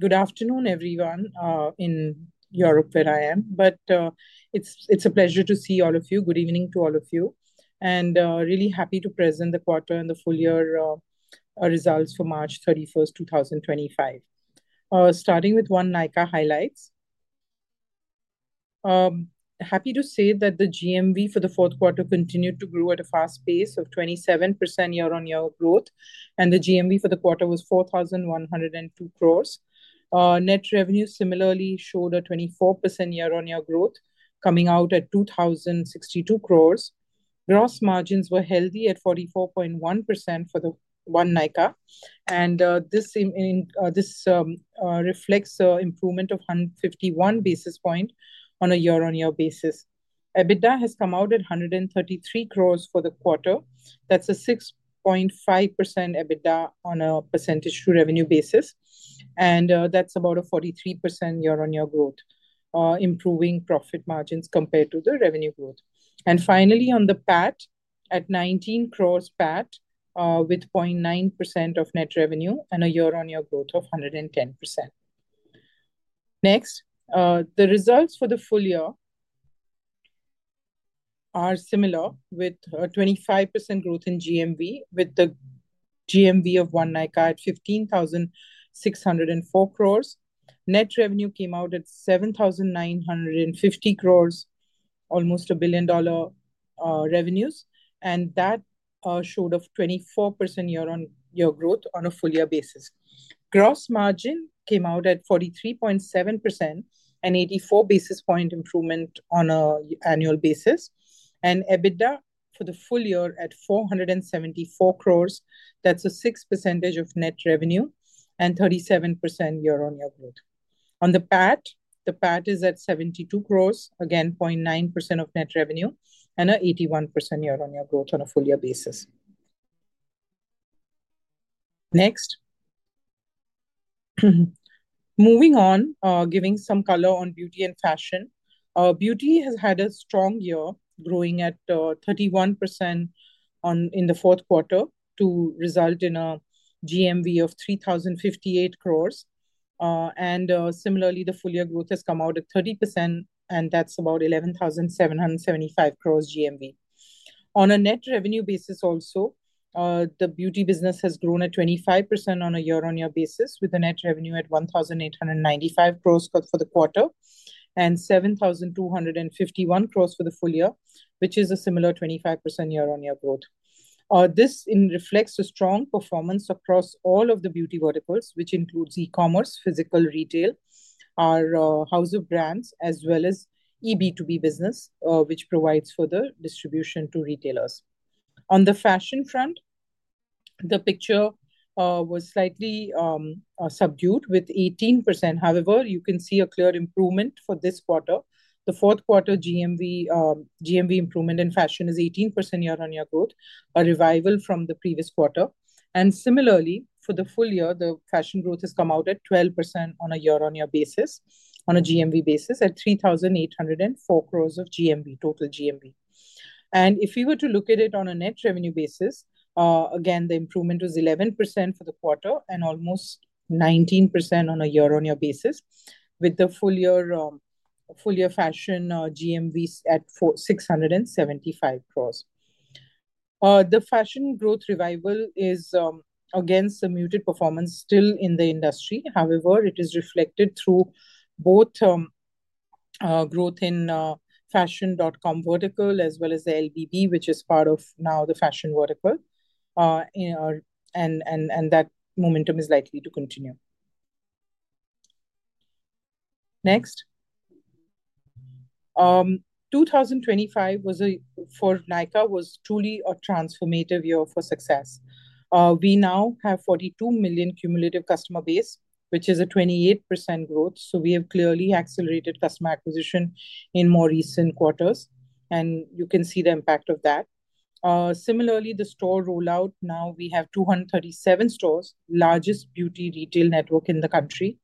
Good afternoon, everyone, in Europe where I am. It's a pleasure to see all of you. Good evening to all of you. Really happy to present the quarter and the full year results for March 31st, 2025. Starting with one Nykaa highlight. Happy to say that the GMV for the fourth quarter continued to grow at a fast pace of 27% year-on-year growth, and the GMV for the quarter was 4,102 crore. Net revenue similarly showed a 24% year-on-year growth, coming out at 2,062 crore. Gross margins were healthy at 44.1% for the one Nykaa. This reflects an improvement of 151 basis points on a year-on-year basis. EBITDA has come out at 133 crore for the quarter. That's a 6.5% EBITDA on a percentage-to-revenue basis. That's about a 43% year-on-year growth, improving profit margins compared to the revenue growth. Finally, on the PAT, at 19 crore PAT, with 0.9% of net revenue and a year-on-year growth of 110%. Next, the results for the full year are similar, with a 25% growth in GMV, with the GMV of Nykaa at 15,604 crore. Net revenue came out at 7,950 crore, almost a billion-dollar revenues. That showed a 24% year-on-year growth on a full-year basis. Gross margin came out at 43.7%, an 84 basis point improvement on an annual basis. EBITDA for the full year at 474 crore. That is 6% of net revenue and 37% year-on-year growth. On the PAT, the PAT is at 72 crore, again, 0.9% of net revenue, and an 81% year-on-year growth on a full-year basis. Next. Moving on, giving some color on Beauty and Fashion. Beauty has had a strong year, growing at 31% in the fourth quarter, to result in a GMV of 3,058 crore. Similarly, the full-year growth has come out at 30%, and that's about 11,775 crore GMV. On a net revenue basis also, the Beauty business has grown at 25% on a year-on-year basis, with a net revenue at 1,895 crore for the quarter and 7,251 crore for the full year, which is a similar 25% year-on-year growth. This reflects a strong performance across all of the Beauty verticals, which includes e-commerce, physical retail, our house of brands, as well as eB2B business, which provides further distribution to retailers. On the Fashion front, the picture was slightly subdued with 18%. However, you can see a clear improvement for this quarter. The fourth quarter GMV improvement in Fashion is 18% year-on-year growth, a revival from the previous quarter. Similarly, for the full year, the Fashion growth has come out at 12% on a year-on-year basis, on a GMV basis, at 3,804 crore of GMV, total GMV. If we were to look at it on a net revenue basis, again, the improvement was 11% for the quarter and almost 19% on a year-on-year basis, with the full-year Fashion GMVs at 675 crore. The Fashion growth revival is, again, subdued performance still in the industry. However, it is reflected through both growth in fashion.com vertical as well as the LBB, which is part of now the Fashion vertical. You know, that momentum is likely to continue. Next, 2025 was a, for Nykaa, was truly a transformative year for success. We now have 42 million cumulative customer base, which is a 28% growth. We have clearly accelerated customer acquisition in more recent quarters. You can see the impact of that. Similarly, the store rollout, now we have 237 stores, largest beauty retail network in the country.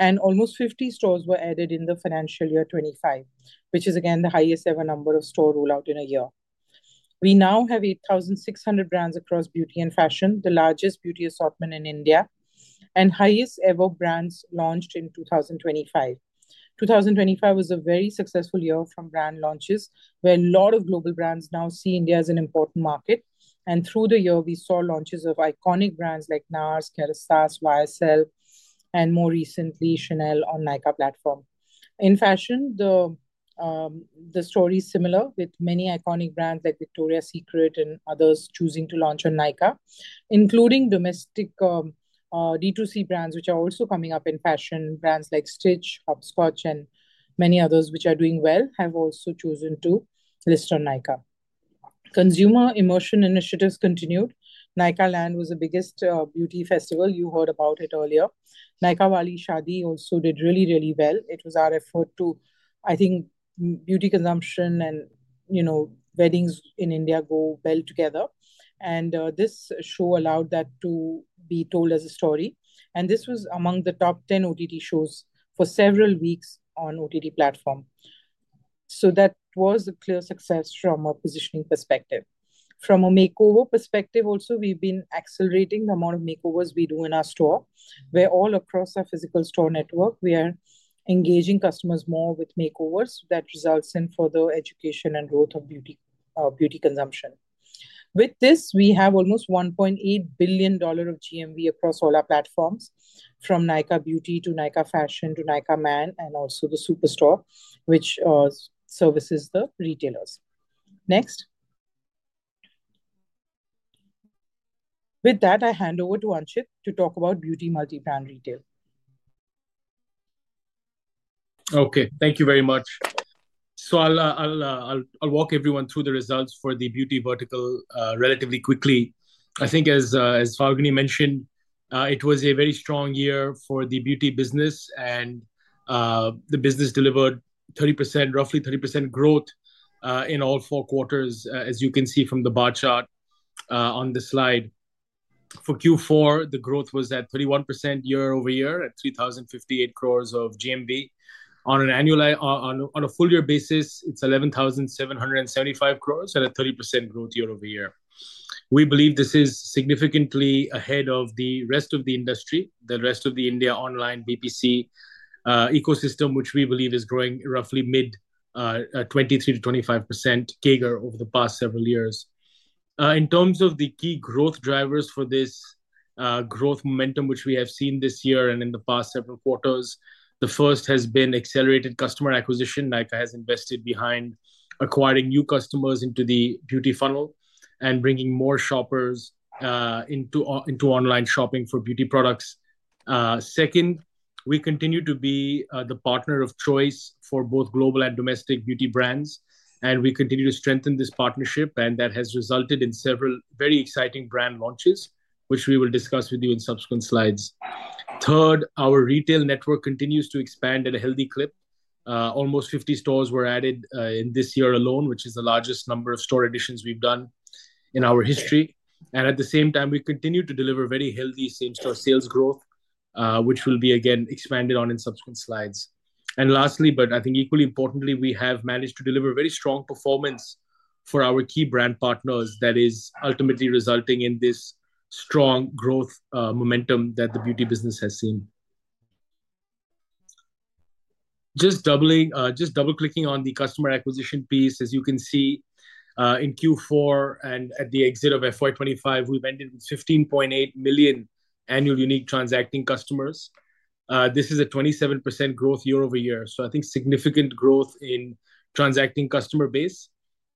Almost 50 stores were added in the financial year 2025, which is again the highest-ever number of store rollout in a year. We now have 8,600 brands across Beauty and Fashion, the largest beauty assortment in India, and highest-ever brands launched in 2025. 2025 was a very successful year from brand launches, where a lot of global brands now see India as an important market. Through the year, we saw launches of iconic brands like, Kérastase, YSL, and more recently, Chanel on Nykaa platform. In Fashion, the story is similar, with many iconic brands like Victoria's Secret and others choosing to launch on Nykaa, including domestic D2C brands, which are also coming up in Fashion. Brands like SNITCH, Hopscotch, and many others, which are doing well, have also chosen to list on Nykaa. Consumer immersion initiatives continued. Nykaaland was the biggest beauty festival. You heard about it earlier. Nykaa wali Shaadi also did really, really well. It was our effort to, I think, Beauty consumption and, you know, weddings in India go well together. This show allowed that to be told as a story. This was among the top 10 OTT shows for several weeks on OTT platform. That was a clear success from a positioning perspective. From a makeover perspective also, we've been accelerating the amount of makeovers we do in our store, where all across our physical store network, we are engaging customers more with makeovers. That results in further education and growth of beauty, Beauty consumption. With this, we have almost $1.8 billion of GMV across all our platforms, from Nykaa Beauty to Nykaa Fashion to Nykaa Man and also the Superstore, which services the retailers. Next. With that, I hand over to Anchit to talk about beauty multi-brand retail. Okay. Thank you very much. I'll walk everyone through the results for the Beauty vertical, relatively quickly. I think as Falguni mentioned, it was a very strong year for the Beauty business, and the business delivered 30% growth, in all four quarters, as you can see from the bar chart, on the slide. For Q4, the growth was at 31% year-over-year at 3,058 crore of GMV. On a full-year basis, it's 11,775 crore at a 30% growth year-over-year. We believe this is significantly ahead of the rest of the industry, the rest of the India Online BPC ecosystem, which we believe is growing roughly mid, 23%-25% CAGR over the past several years. In terms of the key growth drivers for this growth momentum, which we have seen this year and in the past several quarters, the first has been accelerated customer acquisition. Nykaa has invested behind acquiring new customers into the beauty funnel and bringing more shoppers into online shopping for beauty products. Second, we continue to be the partner of choice for both global and domestic beauty brands, and we continue to strengthen this partnership, and that has resulted in several very exciting brand launches, which we will discuss with you in subsequent slides. Third, our retail network continues to expand at a healthy clip. Almost 50 stores were added in this year alone, which is the largest number of store additions we have done in our history. At the same time, we continue to deliver very healthy same-store sales growth, which will be, again, expanded on in subsequent slides. Lastly, but I think equally importantly, we have managed to deliver very strong performance for our key brand partners. That is ultimately resulting in this strong growth, momentum that the beauty business has seen. Just double-clicking on the customer acquisition piece, as you can see, in Q4 and at the exit of FY 2025, we went in with 15.8 million annual unique transacting customers. This is a 27% growth year-over-year. I think significant growth in transacting customer base.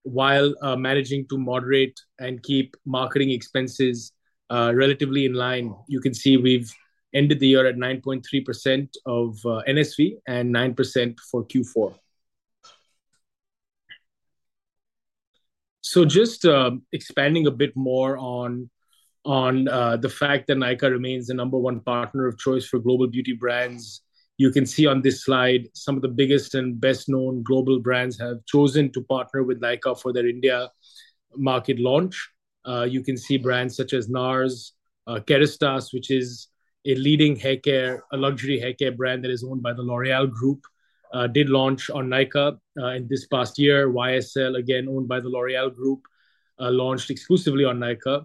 While managing to moderate and keep marketing expenses relatively in line, you can see we have ended the year at 9.3% of NSV and 9% for Q4. Just expanding a bit more on the fact that Nykaa remains the number one partner of choice for global beauty brands, you can see on this slide some of the biggest and best-known global brands have chosen to partner with Nykaa for their India market launch. You can see brands such as NARS, Kérastase, which is a leading luxury haircare brand that is owned by the L'Oréal Group, did launch on Nykaa in this past year. YSL, again, owned by the L'Oréal Group, launched exclusively on Nykaa.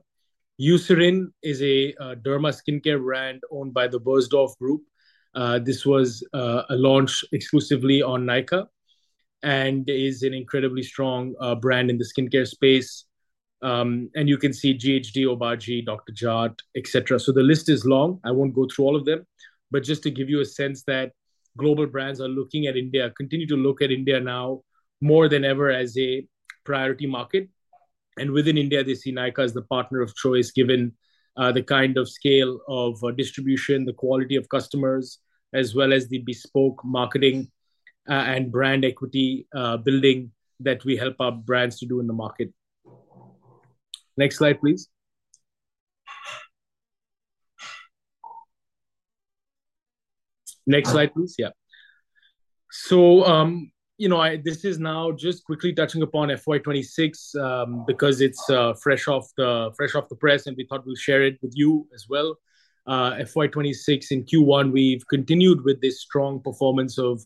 Eucerin is a derma skincare brand owned by the Beiersdorf Group. This was a launch exclusively on Nykaa and is an incredibly strong brand in the skincare space. You can see ghd, Obagi, Dr.Jart+, etc. The list is long. I won't go through all of them. Just to give you a sense that global brands are looking at India, continue to look at India now more than ever as a priority market. Within India, they see Nykaa as the partner of choice, given the kind of scale of distribution, the quality of customers, as well as the bespoke marketing and brand equity building that we help our brands to do in the market. Next slide, please. Next slide, please. Yeah. You know, this is now just quickly touching upon FY 2026, because it's fresh off the press, and we thought we'd share it with you as well. FY 2026 in Q1, we've continued with this strong performance of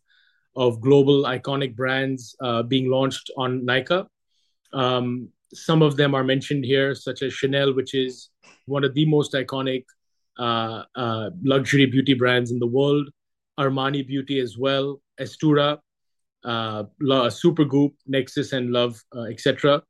global iconic brands being launched on Nykaa. Some of them are mentioned here, such as Chanel, which is one of the most iconic, luxury beauty brands in the world, Armani Beauty as well, Aestura, Supergoop!, Nexxus, and Lovetc.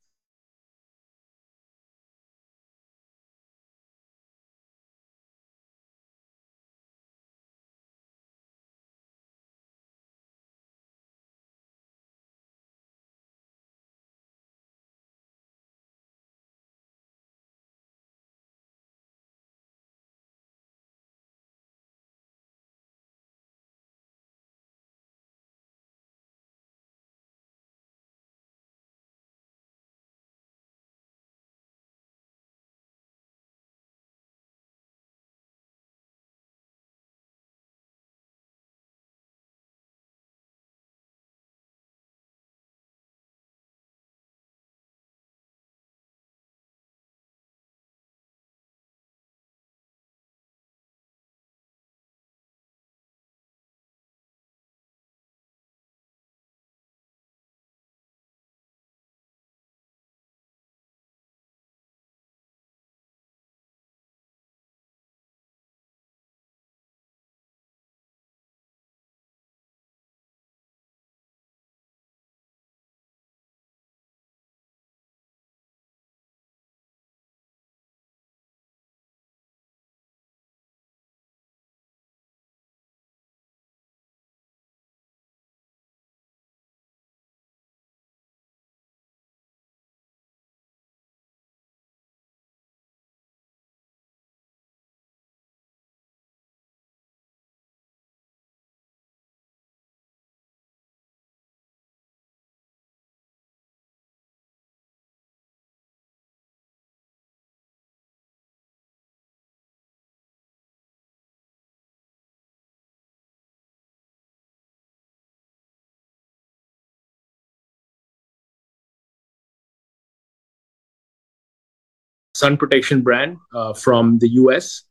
Sun protection brand, from the U.S.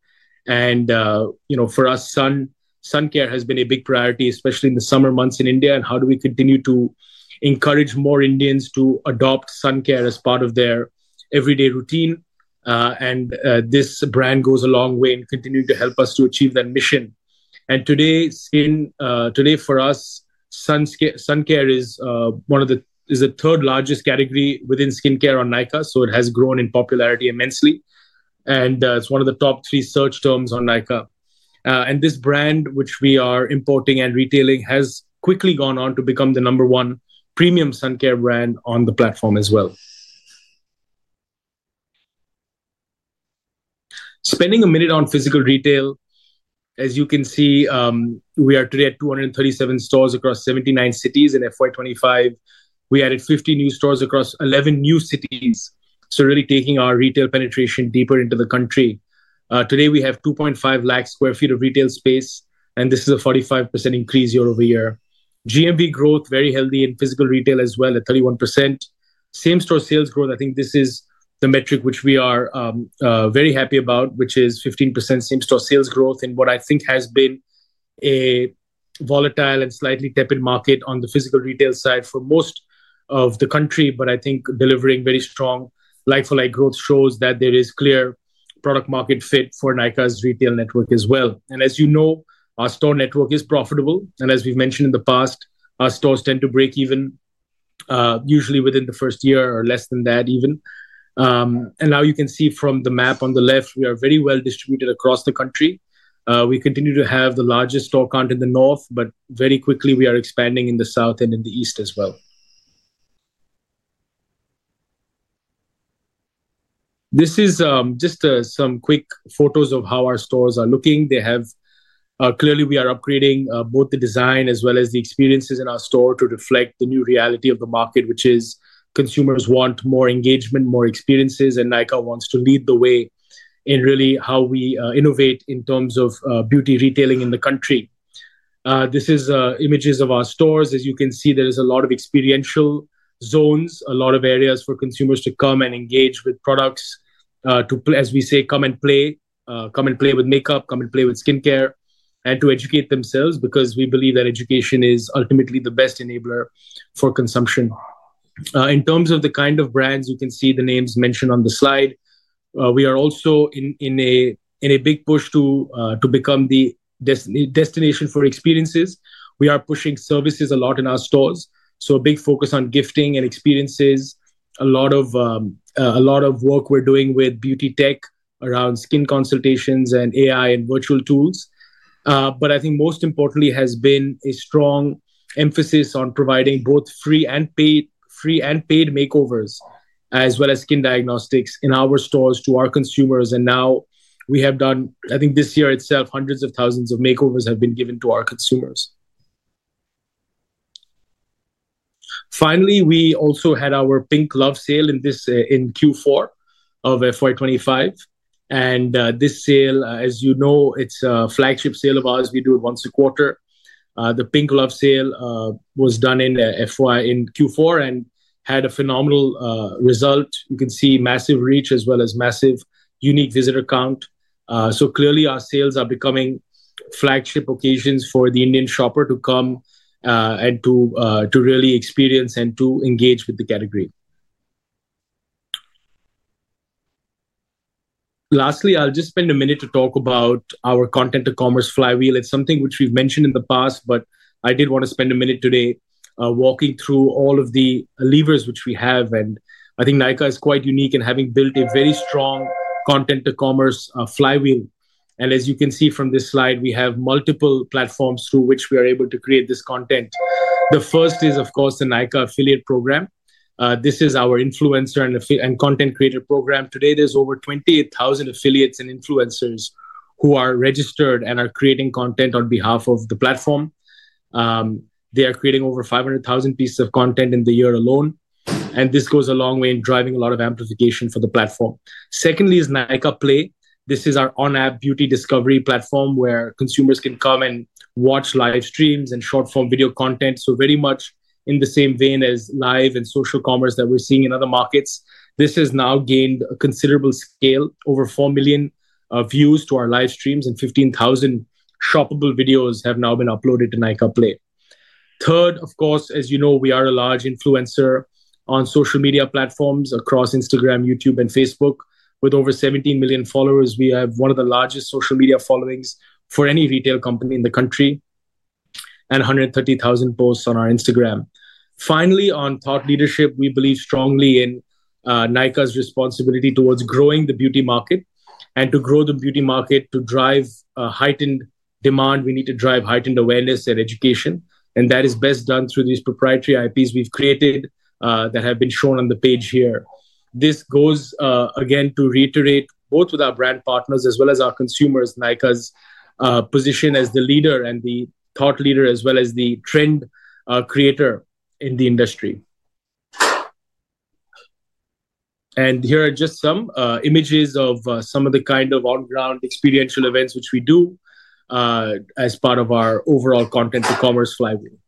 You know, for us, sun care has been a big priority, especially in the summer months in India. How do we continue to encourage more Indians to adopt sun care as part of their everyday routine? This brand goes a long way in continuing to help us to achieve that mission. Today, for us, sun care is one of the, is the third largest category within skincare on Nykaa. It has grown in popularity immensely. It is one of the top three search terms on Nykaa. and this brand, which we are importing and retailing, has quickly gone on to become the number one premium sun care brand on the platform as well. Spending a minute on physical retail, as you can see, we are today at 237 stores across 79 cities. In FY 2025, we added 50 new stores across 11 new cities. Really taking our retail penetration deeper into the country. Today we have 2.5 lakh sq ft of retail space, and this is a 45% increase year-over-year. GMV growth, very healthy in physical retail as well at 31%. Same-store sales growth, I think this is the metric which we are very happy about, which is 15% same-store sales growth in what I think has been a volatile and slightly tepid market on the physical retail side for most of the country. I think delivering very strong life-like growth shows that there is clear product-market fit for Nykaa's retail network as well. As you know, our store network is profitable. As we've mentioned in the past, our stores tend to break even, usually within the first year or less than that even. Now you can see from the map on the left, we are very well distributed across the country. We continue to have the largest store count in the north, but very quickly we are expanding in the south and in the east as well. This is just some quick photos of how our stores are looking. They have, clearly we are upgrading both the design as well as the experiences in our store to reflect the new reality of the market, which is consumers want more engagement, more experiences, and Nykaa wants to lead the way in really how we innovate in terms of beauty retailing in the country. This is images of our stores. As you can see, there is a lot of experiential zones, a lot of areas for consumers to come and engage with products, to, as we say, come and play, come and play with makeup, come and play with skincare, and to educate themselves because we believe that education is ultimately the best enabler for consumption. In terms of the kind of brands, you can see the names mentioned on the slide. We are also in a big push to become the destination for experiences. We are pushing services a lot in our stores. A big focus on gifting and experiences, a lot of work we're doing with beauty tech around skin consultations and AI and virtual tools. I think most importantly has been a strong emphasis on providing both free and paid makeovers as well as skin diagnostics in our stores to our consumers. Now we have done, I think this year itself, hundreds of thousands of makeovers have been given to our consumers. Finally, we also had our Pink Love Sale in Q4 of FY 2025. This sale, as you know, it's a flagship sale of ours. We do it once a quarter. The Pink Love Sale was done in Q4 and had a phenomenal result. You can see massive reach as well as massive unique visitor count. So clearly our sales are becoming flagship occasions for the Indian shopper to come, and to really experience and to engage with the category. Lastly, I'll just spend a minute to talk about our content to commerce flywheel. It's something which we've mentioned in the past, but I did want to spend a minute today, walking through all of the levers which we have. I think Nykaa is quite unique in having built a very strong content to commerce flywheel. As you can see from this slide, we have multiple platforms through which we are able to create this content. The first is, of course, the Nykaa affiliate program. This is our influencer and affiliate and content creator program. Today, there's over 28,000 affiliates and influencers who are registered and are creating content on behalf of the platform. They are creating over 500,000 pieces of content in the year alone. This goes a long way in driving a lot of amplification for the platform. Secondly is Nykaa Play. This is our on-app beauty discovery platform where consumers can come and watch live streams and short-form video content. Very much in the same vein as live and social commerce that we are seeing in other markets, this has now gained a considerable scale, over 4 million views to our live streams and 15,000 shoppable videos have now been uploaded to Nykaa Play. Third, of course, as you know, we are a large influencer on social media platforms across Instagram, YouTube, and Facebook. With over 17 million followers, we have one of the largest social media followings for any retail company in the country and 130,000 posts on our Instagram. Finally, on thought leadership, we believe strongly in Nykaa's responsibility towards growing the beauty market. To grow the beauty market, to drive heightened demand, we need to drive heightened awareness and education. That is best done through these proprietary IPs we have created, that have been shown on the page here. This goes, again to reiterate both with our brand partners as well as our consumers, Nykaa's position as the leader and the thought leader as well as the trend creator in the industry. Here are just some images of some of the kind of on-ground experiential events which we do as part of our overall content to commerce flywheel.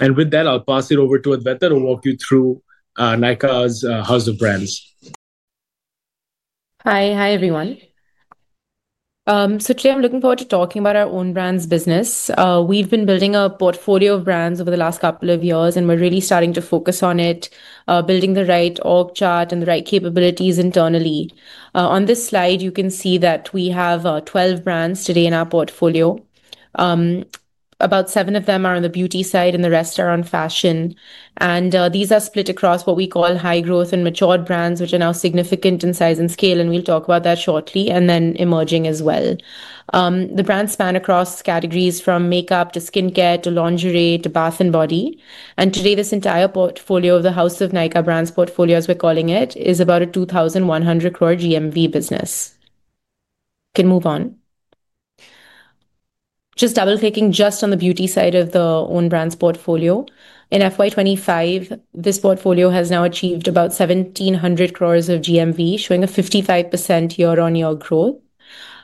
With that, I'll pass it over to Adwaita to walk you through Nykaa's house of brands. Hi, hi everyone. So today I'm looking forward to talking about our own brand's business. We've been building a portfolio of brands over the last couple of years, and we're really starting to focus on it, building the right org chart and the right capabilities internally. On this slide, you can see that we have 12 brands today in our portfolio. About seven of them are on the beauty side, and the rest are on Fashion. These are split across what we call high-growth and mature brands, which are now significant in size and scale, and we'll talk about that shortly, and then emerging as well. The brands span across categories from makeup to skincare to lingerie to bath and body. Today, this entire portfolio of the House of Nykaa brands portfolio, as we're calling it, is about 2,100 crore GMV business. Can move on. Just double-clicking just on the beauty side of the own brands portfolio. In FY 2025, this portfolio has now achieved about 1,700 crore of GMV, showing a 55% year-on-year growth.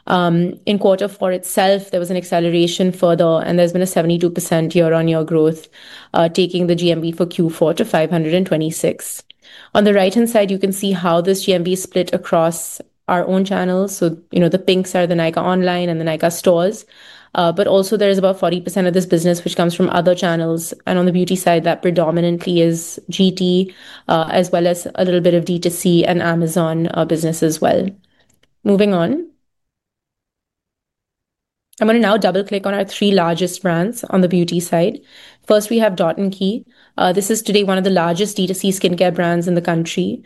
In quarter four itself, there was an acceleration further, and there's been a 72% year-on-year growth, taking the GMV for Q4 to 526 crore. On the right-hand side, you can see how this GMV is split across our own channels. You know, the pinks are the Nykaa online and the Nykaa stores. There is about 40% of this business which comes from other channels. On the beauty side, that predominantly is GT, as well as a little bit of D2C and Amazon business as well. Moving on. I'm going to now double-click on our three largest brands on the beauty side. First, we have Dot & Key. This is today one of the largest D2C skincare brands in the country.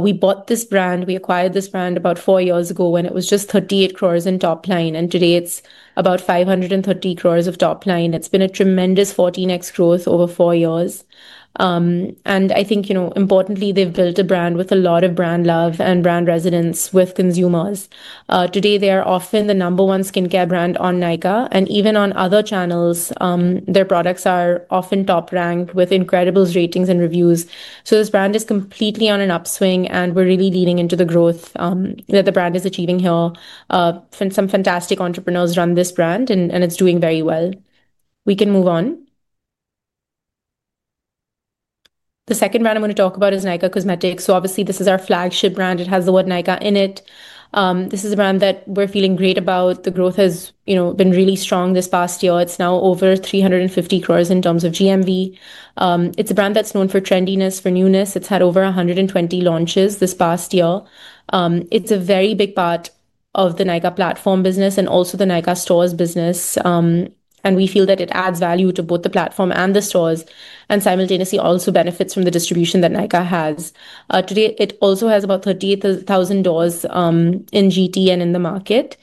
We bought this brand, we acquired this brand about four years ago when it was just 38 crore in top line, and today it's about 530 crore of top line. It's been a tremendous 14x growth over four years. I think, you know, importantly, they've built a brand with a lot of brand love and brand resonance with consumers. Today they are often the number one skincare brand on Nykaa, and even on other channels, their products are often top-ranked with incredible ratings and reviews. This brand is completely on an upswing, and we're really leaning into the growth that the brand is achieving here. Some fantastic entrepreneurs run this brand, and it's doing very well. We can move on. The second brand I'm going to talk about is Nykaa Cosmetics. Obviously this is our flagship brand. It has the word Nykaa in it. This is a brand that we're feeling great about. The growth has, you know, been really strong this past year. It's now over 350 crore in terms of GMV. It's a brand that's known for trendiness, for newness. It's had over 120 launches this past year. It's a very big part of the Nykaa platform business and also the Nykaa stores business. We feel that it adds value to both the platform and the stores and simultaneously also benefits from the distribution that Nykaa has. Today it also has about 38,000 doors, in GT and in the market.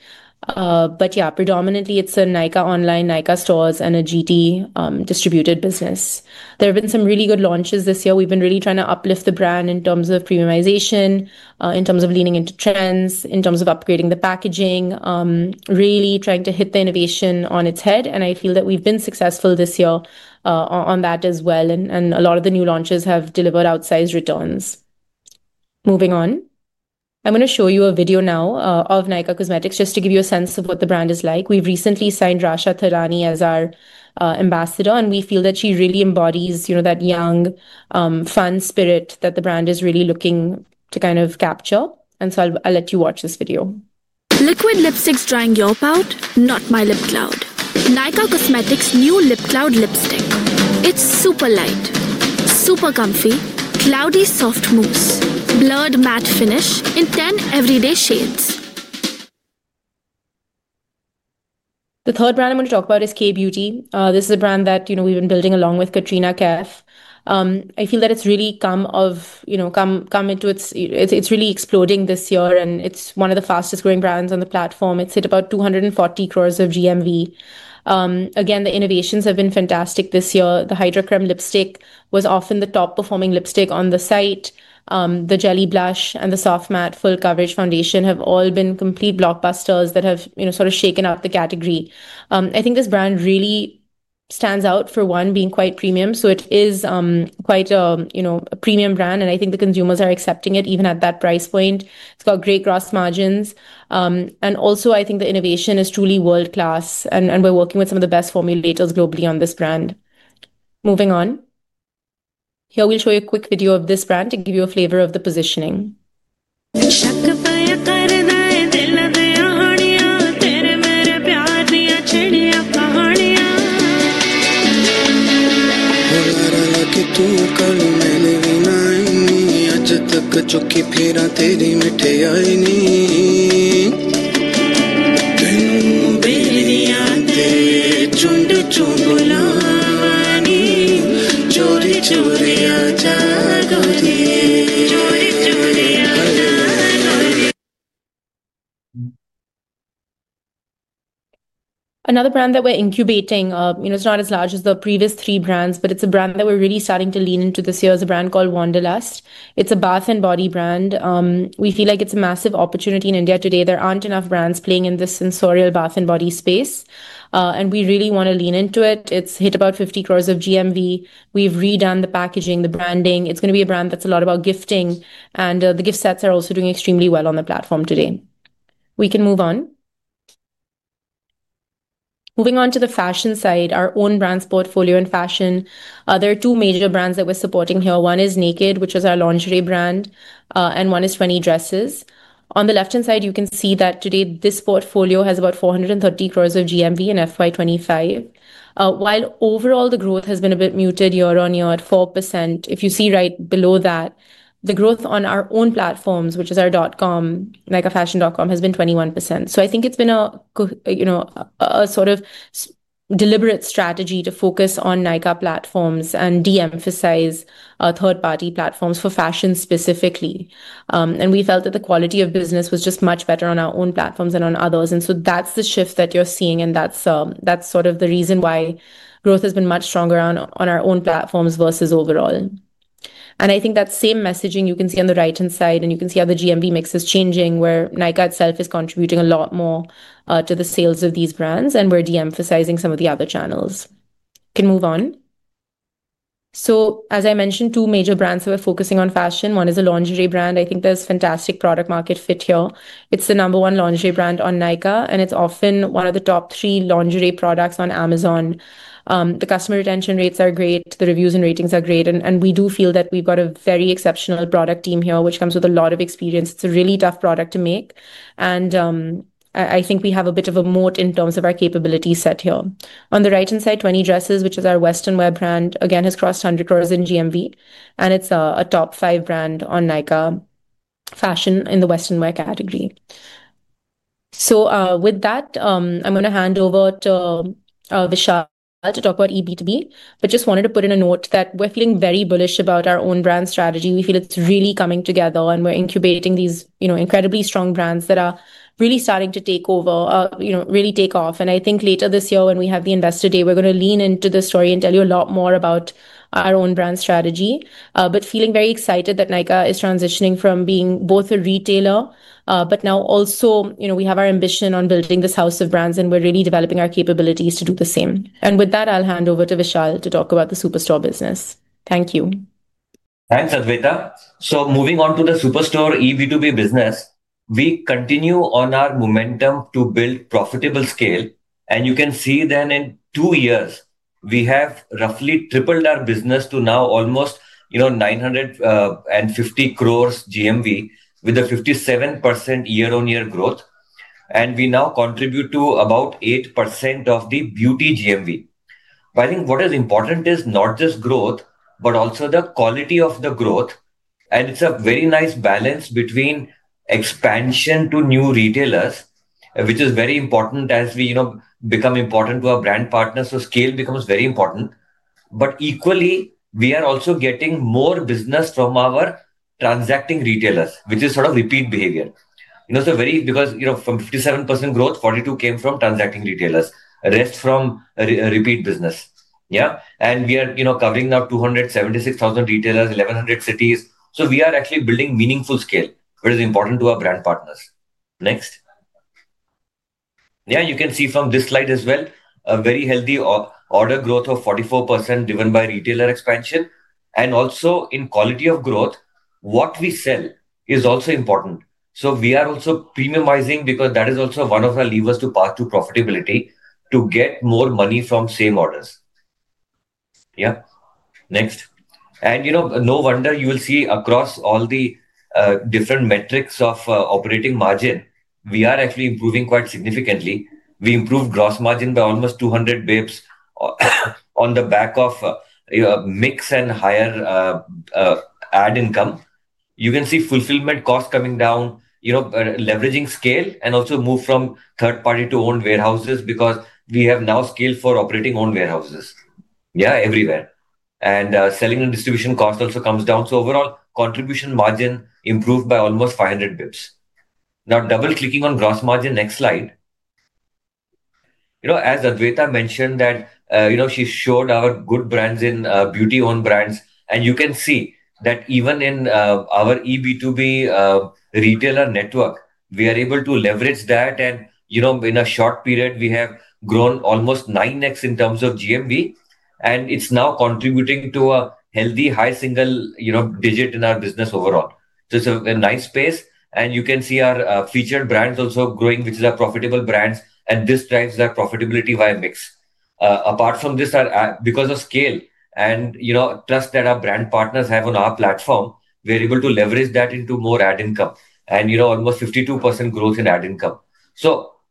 Predominantly it's a Nykaa online, Nykaa stores, and a GT, distributed business. There have been some really good launches this year. We've been really trying to uplift the brand in terms of premiumization, in terms of leaning into trends, in terms of upgrading the packaging, really trying to hit the innovation on its head. I feel that we've been successful this year on that as well. A lot of the new launches have delivered outsized returns. Moving on. I'm going to show you a video now, of Nykaa Cosmetics just to give you a sense of what the brand is like. We've recently signed Rasha Thadani as our ambassador, and we feel that she really embodies, you know, that young, fun spirit that the brand is really looking to kind of capture. I'll let you watch this video. Liquid lipsticks drying your pout, not my lip cloud. Nykaa Cosmetics new lip cloud lipstick. It's super light, super comfy, cloudy soft mousse. Blurred matte finish in 10 everyday shades. The third brand I'm going to talk about is Kay Beauty. This is a brand that, you know, we've been building along with Katrina Kaif. I feel that it's really come of, you know, come into its, it's really exploding this year and it's one of the fastest growing brands on the platform. It's hit about 240 crore of GMV. Again, the innovations have been fantastic this year. The Hydra Crème Lipstick was often the top performing lipstick on the site. The Jelly Blush and the Soft Matte Full Coverage Foundation have all been complete blockbusters that have, you know, sort of shaken up the category. I think this brand really stands out for one being quite premium. So it is, quite a, you know, a premium brand, and I think the consumers are accepting it even at that price point. It's got great gross margins, and also I think the innovation is truly world-class, and we're working with some of the best formulators globally on this brand. Moving on. Here, we'll show you a quick video of this brand to give you a flavor of the positioning. Another brand that we're incubating, you know, it's not as large as the previous three brands, but it's a brand that we're really starting to lean into this year. It's a brand called Wanderlust. It's a bath and body brand. We feel like it's a massive opportunity in India today. There aren't enough brands playing in this sensorial bath and body space, and we really want to lean into it. It's hit about 50 crore of GMV. We've redone the packaging, the branding. It's going to be a brand that's a lot about gifting, and the gift sets are also doing extremely well on the platform today. We can move on. Moving on to the Fashion side, our own brand's portfolio in Fashion, there are two major brands that we're supporting here. One is Nykd, which is our lingerie brand, and one is Twenty Dresses. On the left-hand side, you can see that today this portfolio has about 430 crore of GMV in FY 2025. While overall the growth has been a bit muted year-on-year at 4%, if you see right below that, the growth on our own platforms, which is our dot-com, nykaafashion.com, has been 21%. I think it's been a, you know, a sort of deliberate strategy to focus on Nykaa platforms and de-emphasize third-party platforms for Fashion specifically. We felt that the quality of business was just much better on our own platforms than on others. That's the shift that you're seeing, and that's sort of the reason why growth has been much stronger on our own platforms versus overall. I think that same messaging you can see on the right-hand side, and you can see how the GMV mix is changing where Nykaa itself is contributing a lot more to the sales of these brands, and we're de-emphasizing some of the other channels. Can move on. As I mentioned, two major brands that we're focusing on in Fashion. One is a lingerie brand. I think there's fantastic product market fit here. It's the number one lingerie brand on Nykaa, and it's often one of the top three lingerie products on Amazon. The customer retention rates are great, the reviews and ratings are great, and we do feel that we've got a very exceptional product team here, which comes with a lot of experience. It's a really tough product to make. I think we have a bit of a moat in terms of our capability set here. On the right-hand side, Twenty Dresses, which is our Western wear brand, again has crossed 100 crore in GMV, and it's a top five brand on Nykaa Fashion in the Western wear category. With that, I'm going to hand over to Vishal to talk about eB2B, but just wanted to put in a note that we're feeling very bullish about our own brand strategy. We feel it's really coming together, and we're incubating these, you know, incredibly strong brands that are really starting to take over, you know, really take off. I think later this year when we have the Investor Day, we're going to lean into this story and tell you a lot more about our own brand strategy. Feeling very excited that Nykaa is transitioning from being both a retailer, but now also, you know, we have our ambition on building this house of brands, and we're really developing our capabilities to do the same. With that, I'll hand over to Vishal to talk about the Superstore business. Thank you. Thanks, Adwaita. Moving on to the Superstore eB2B business, we continue on our momentum to build profitable scale, and you can see that in two years we have roughly tripled our business to now almost 950 crore GMV with a 57% year-on-year growth, and we now contribute to about 8% of the Beauty GMV. I think what is important is not just growth, but also the quality of the growth, and it's a very nice balance between expansion to new retailers, which is very important as we, you know, become important to our brand partners. Scale becomes very important, but equally we are also getting more business from our transacting retailers, which is sort of repeat behavior. You know, from 57% growth, 42% came from transacting retailers, rest from repeat business. Yeah, and we are, you know, covering now 276,000 retailers, 1,100 cities. We are actually building meaningful scale, which is important to our brand partners. Next. You can see from this slide as well, a very healthy order growth of 44% driven by retailer expansion. Also in quality of growth, what we sell is also important. We are also premiumizing because that is also one of our levers to pass to profitability to get more money from same orders. Next. You know, no wonder you will see across all the different metrics of operating margin, we are actually improving quite significantly. We improved gross margin by almost 200 basis points on the back of mix and higher ad income. You can see fulfillment cost coming down, you know, leveraging scale and also move from third-party to owned warehouses because we have now scale for operating owned warehouses. Yeah, everywhere. Selling and distribution cost also comes down. Overall contribution margin improved by almost 500 basis points. Now double-clicking on gross margin, next slide. You know, as Adwaita mentioned that, you know, she showed our good brands in beauty-owned brands, and you can see that even in our eB2B retailer network, we are able to leverage that, and you know, in a short period, we have grown almost 9x in terms of GMV, and it is now contributing to a healthy high single, you know, digit in our business overall. It is a nice space, and you can see our featured brands also growing, which are profitable brands, and this drives our profitability via mix. Apart from this, because of scale and, you know, trust that our brand partners have on our platform, we are able to leverage that into more ad income and, you know, almost 52% growth in ad income.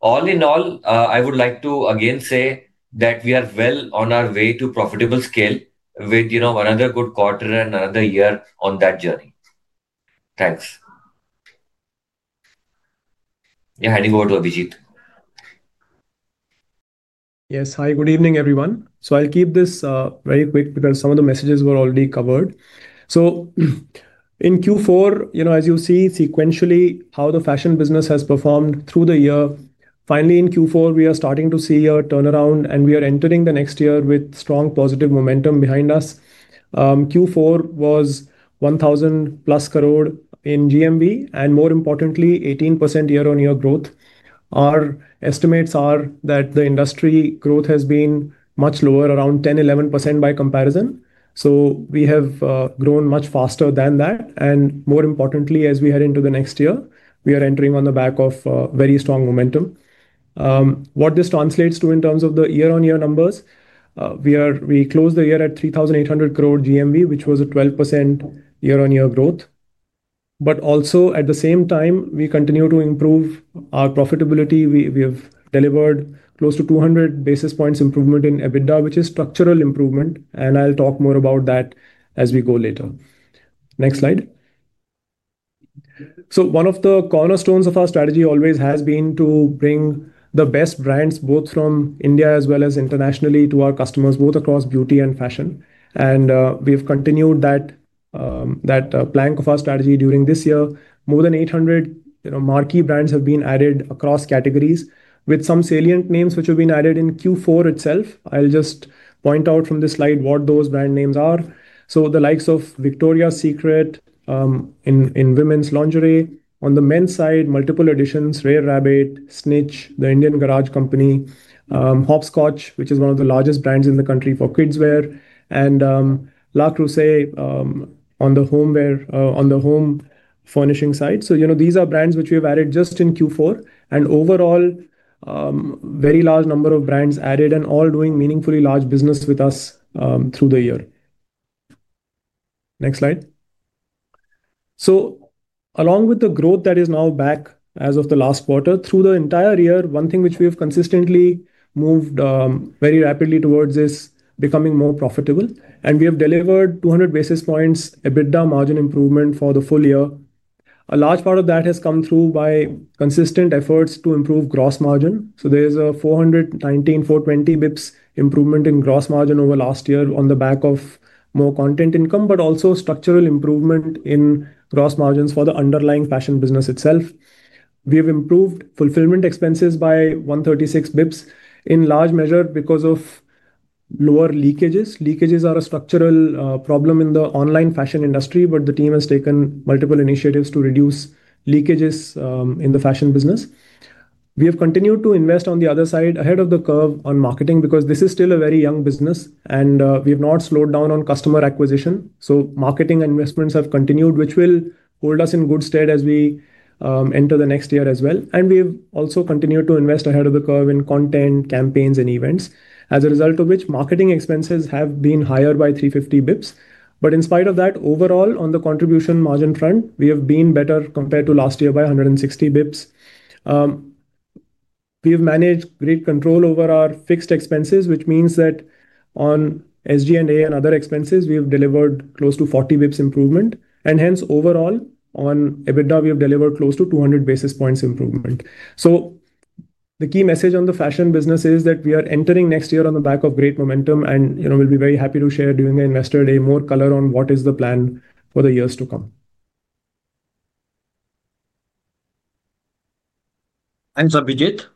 All in all, I would like to again say that we are well on our way to profitable scale with, you know, another good quarter and another year on that journey. Thanks. Yeah, handing over to Abhijeet. Yes, hi, good evening everyone. I'll keep this very quick because some of the messages were already covered. In Q4, you know, as you see sequentially how the fashion business has performed through the year, finally in Q4 we are starting to see a turnaround and we are entering the next year with strong positive momentum behind us. Q4 was 1,000+ crore in GMV and, more importantly, 18% year-on-year growth. Our estimates are that the industry growth has been much lower, around 10%-11% by comparison. So we have grown much faster than that. And more importantly, as we head into the next year, we are entering on the back of very strong momentum. What this translates to in terms of the year-on-year numbers, we closed the year at 3,800 crore GMV, which was a 12% year-on-year growth. But also at the same time, we continue to improve our profitability. We have delivered close to 200 basis points improvement in EBITDA, which is structural improvement, and I'll talk more about that as we go later. Next slide. One of the cornerstones of our strategy always has been to bring the best brands both from India as well as internationally to our customers both across Beauty and Fashion. We have continued that plank of our strategy during this year. More than 800 marquee brands have been added across categories with some salient names which have been added in Q4 itself. I'll just point out from this slide what those brand names are. The likes of Victoria's Secret in women's lingerie, on the men's side, multiple additions, Rare Rabbit, SNITCH, The Indian Garage Company, Hopscotch, which is one of the largest brands in the country for kids wear, and Le Creuset on the home furnishing side. These are brands which we have added just in Q4 and overall, a very large number of brands added and all doing meaningfully large business with us through the year. Next slide. Along with the growth that is now back as of the last quarter through the entire year, one thing which we have consistently moved very rapidly towards is becoming more profitable, and we have delivered 200 basis points EBITDA margin improvement for the full year. A large part of that has come through by consistent efforts to improve gross margin. There is a 419 basis points-420 basis points improvement in gross margin over last year on the back of more content income, but also structural improvement in gross margins for the underlying fashion business itself. We have improved fulfillment expenses by 136 basis points in large measure because of lower leakages. Leakages are a structural problem in the online fashion industry, but the team has taken multiple initiatives to reduce leakages in the fashion business. We have continued to invest on the other side ahead of the curve on marketing because this is still a very young business, and we have not slowed down on customer acquisition. Marketing and investments have continued, which will hold us in good stead as we enter the next year as well. We have also continued to invest ahead of the curve in content, campaigns, and events, as a result of which marketing expenses have been higher by 350 basis points. In spite of that, overall on the contribution margin front, we have been better compared to last year by 160 basis points. We have managed great control over our fixed expenses, which means that on SG&A and other expenses, we have delivered close to 40 basis points improvement, and hence overall on EBITDA, we have delivered close to 200 basis points improvement. The key message on the fashion business is that we are entering next year on the back of great momentum and, you know, we'll be very happy to share during the Investor Day more color on what is the plan for the years to come. Thanks, Abhijeet.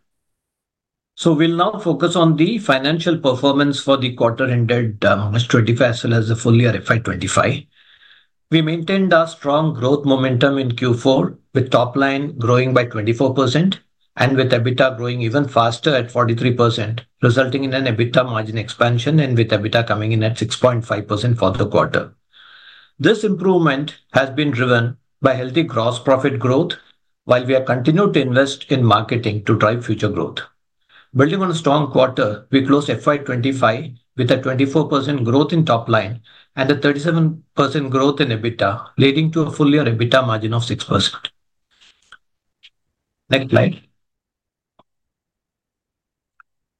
We will now focus on the financial performance for the quarter-ended as well as the full year FY 2025. We maintained our strong growth momentum in Q4 with top line growing by 24% and with EBITDA growing even faster at 43%, resulting in an EBITDA margin expansion and with EBITDA coming in at 6.5% for the quarter. This improvement has been driven by healthy gross profit growth while we have continued to invest in marketing to drive future growth. Building on a strong quarter, we closed FY 2025 with a 24% growth in top line and a 37% growth in EBITDA, leading to a full year EBITDA margin of 6%. Next slide.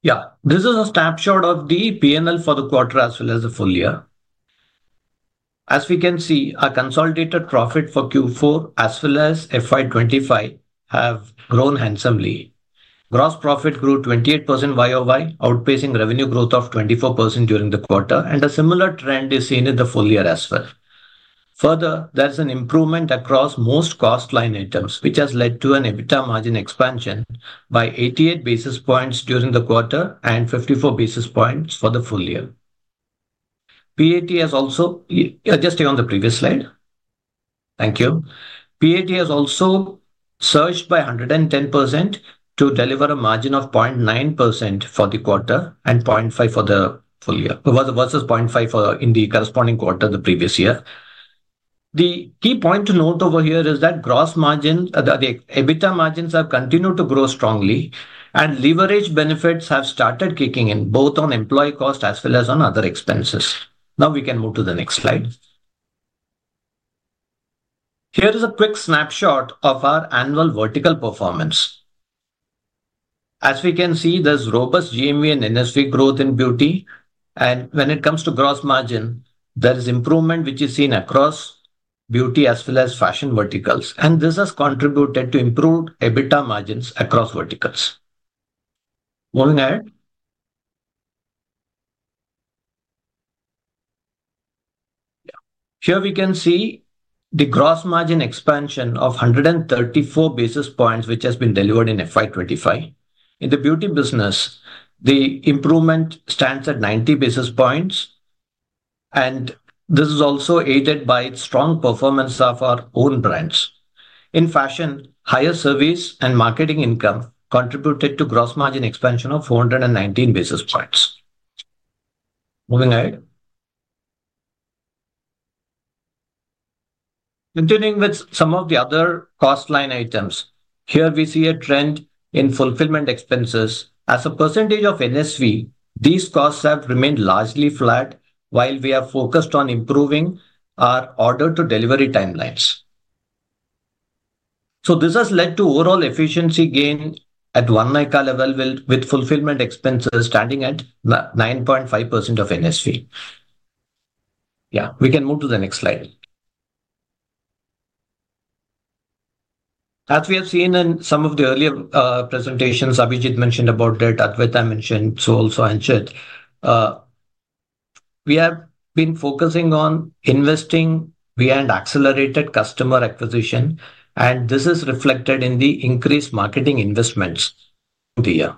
Yeah, this is a snapshot of the P&L for the quarter as well as the full year. As we can see, our consolidated profit for Q4 as well as FY 2025 have grown handsomely. Gross profit grew 28% YoY, outpacing revenue growth of 24% during the quarter, and a similar trend is seen in the full year as well. Further, there is an improvement across most cost line items, which has led to an EBITDA margin expansion by 88 basis points during the quarter and 54 basis points for the full year. PAT has also, just stay on the previous slide. Thank you. PAT has also surged by 110% to deliver a margin of 0.9% for the quarter and 0.5% for the full year, versus 0.5% in the corresponding quarter the previous year. The key point to note over here is that gross margins, the EBITDA margins have continued to grow strongly and leverage benefits have started kicking in both on employee cost as well as on other expenses. Now we can move to the next slide. Here is a quick snapshot of our annual vertical performance. As we can see, there's robust GMV and NSV growth in Beauty, and when it comes to gross margin, there is improvement which is seen across Beauty as well as Fashion verticals, and this has contributed to improved EBITDA margins across verticals. Moving ahead. Yeah, here we can see the gross margin expansion of 134 basis points which has been delivered in FY 2025. In the Beauty business, the improvement stands at 90 basis points, and this is also aided by strong performance of our own brands. In Fashion, higher service and marketing income contributed to gross margin expansion of 419 basis points. Moving ahead. Continuing with some of the other cost line items, here we see a trend in fulfillment expenses. As a percentage of NSV, these costs have remained largely flat while we have focused on improving our order-to-delivery timelines. This has led to overall efficiency gain at one-year level with fulfillment expenses standing at 9.5% of NSV. Yeah, we can move to the next slide. As we have seen in some of the earlier presentations, Abhijeet mentioned about it, Adwaita mentioned, so also Anchit. We have been focusing on investing beyond accelerated customer acquisition, and this is reflected in the increased marketing investments this year.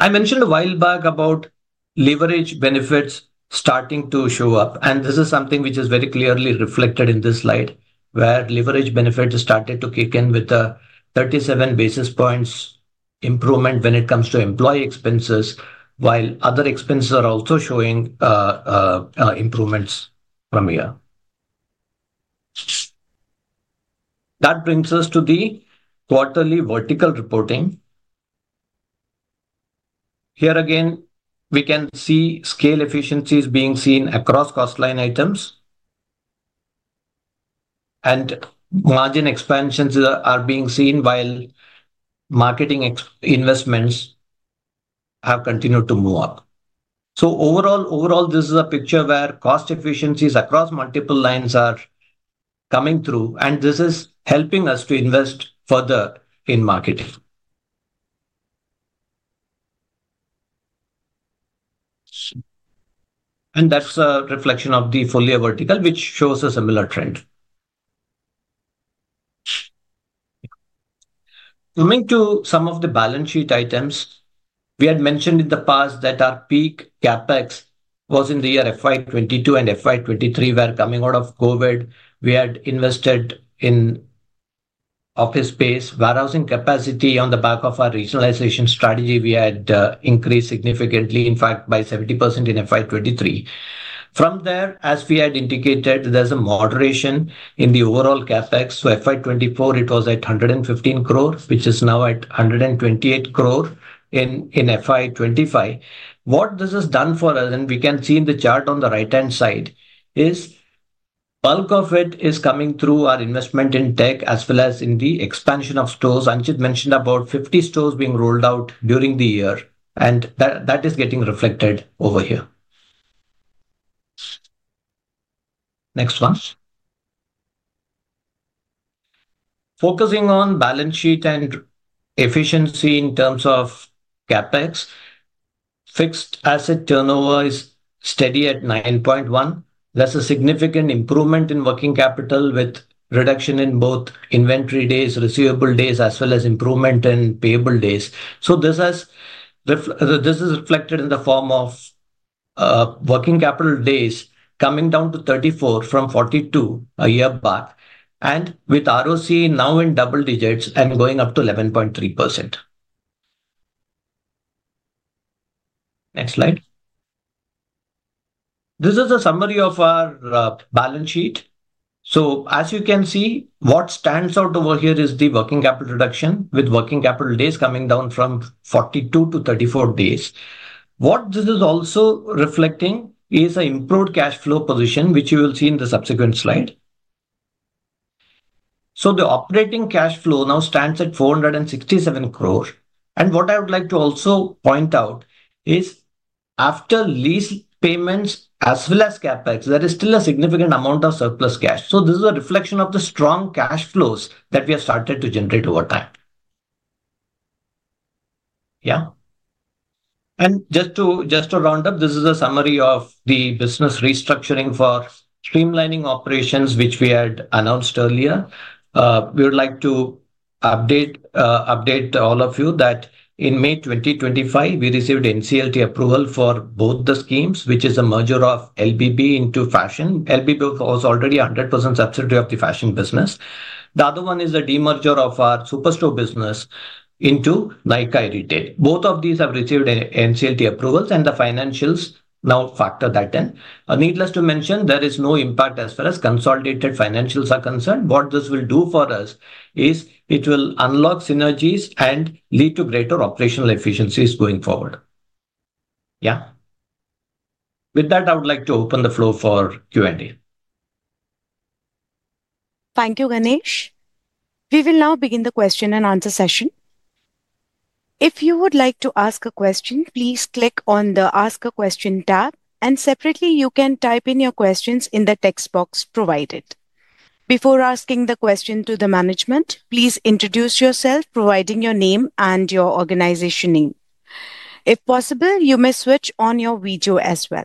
I mentioned a while back about leverage benefits starting to show up, and this is something which is very clearly reflected in this slide where leverage benefits started to kick in with the 37 basis points improvement when it comes to employee expenses, while other expenses are also showing improvements from here. That brings us to the quarterly vertical reporting. Here again, we can see scale efficiencies being seen across cost line items, and margin expansions are being seen while marketing investments have continued to move up. Overall, this is a picture where cost efficiencies across multiple lines are coming through, and this is helping us to invest further in marketing. That is a reflection of the full year vertical, which shows a similar trend. Coming to some of the balance sheet items, we had mentioned in the past that our peak CapEx was in the year FY 2022 and FY 2023. We are coming out of COVID. We had invested in office space, warehousing capacity on the back of our regionalization strategy. We had increased significantly, in fact, by 70% in FY 2023. From there, as we had indicated, there is a moderation in the overall CapEx. For FY 2024, it was at 115 crore, which is now at 128 crore in FY 2025. What this has done for us, and we can see in the chart on the right-hand side, is bulk of it is coming through our investment in tech as well as in the expansion of stores. Anchit mentioned about 50 stores being rolled out during the year, and that is getting reflected over here. Next one. Focusing on balance sheet and efficiency in terms of CapEx, fixed asset turnover is steady at 9.1. There's a significant improvement in working capital with reduction in both inventory days, receivable days, as well as improvement in payable days. This has reflected in the form of working capital days coming down to 34 from 42 a year back, and with ROC now in double digits and going up to 11.3%. Next slide. This is a summary of our balance sheet. As you can see, what stands out over here is the working capital reduction with working capital days coming down from 42 to 34 days. What this is also reflecting is an improved cash flow position, which you will see in the subsequent slide. The operating cash flow now stands at 467 crore. What I would like to also point out is after lease payments as well as CapEx, there is still a significant amount of surplus cash. This is a reflection of the strong cash flows that we have started to generate over time. Yeah. Just to round up, this is a summary of the business restructuring for streamlining operations, which we had announced earlier. We would like to update all of you that in May 2025, we received NCLT approval for both the schemes, which is a merger of LBB into Fashion. LBB was already 100% subsidiary of the Fashion business. The other one is a demerger of our Superstore business into Nykaa E-Retail. Both of these have received NCLT approvals, and the financials now factor that in. Needless to mention, there is no impact as far as consolidated financials are concerned. What this will do for us is it will unlock synergies and lead to greater operational efficiencies going forward. Yeah. With that, I would like to open the floor for Q&A. Thank you, Ganesh. We will now begin the question and answer session. If you would like to ask a question, please click on the Ask a Question tab, and separately, you can type in your questions in the text box provided. Before asking the question to the management, please introduce yourself, providing your name and your organization name. If possible, you may switch on your video as well.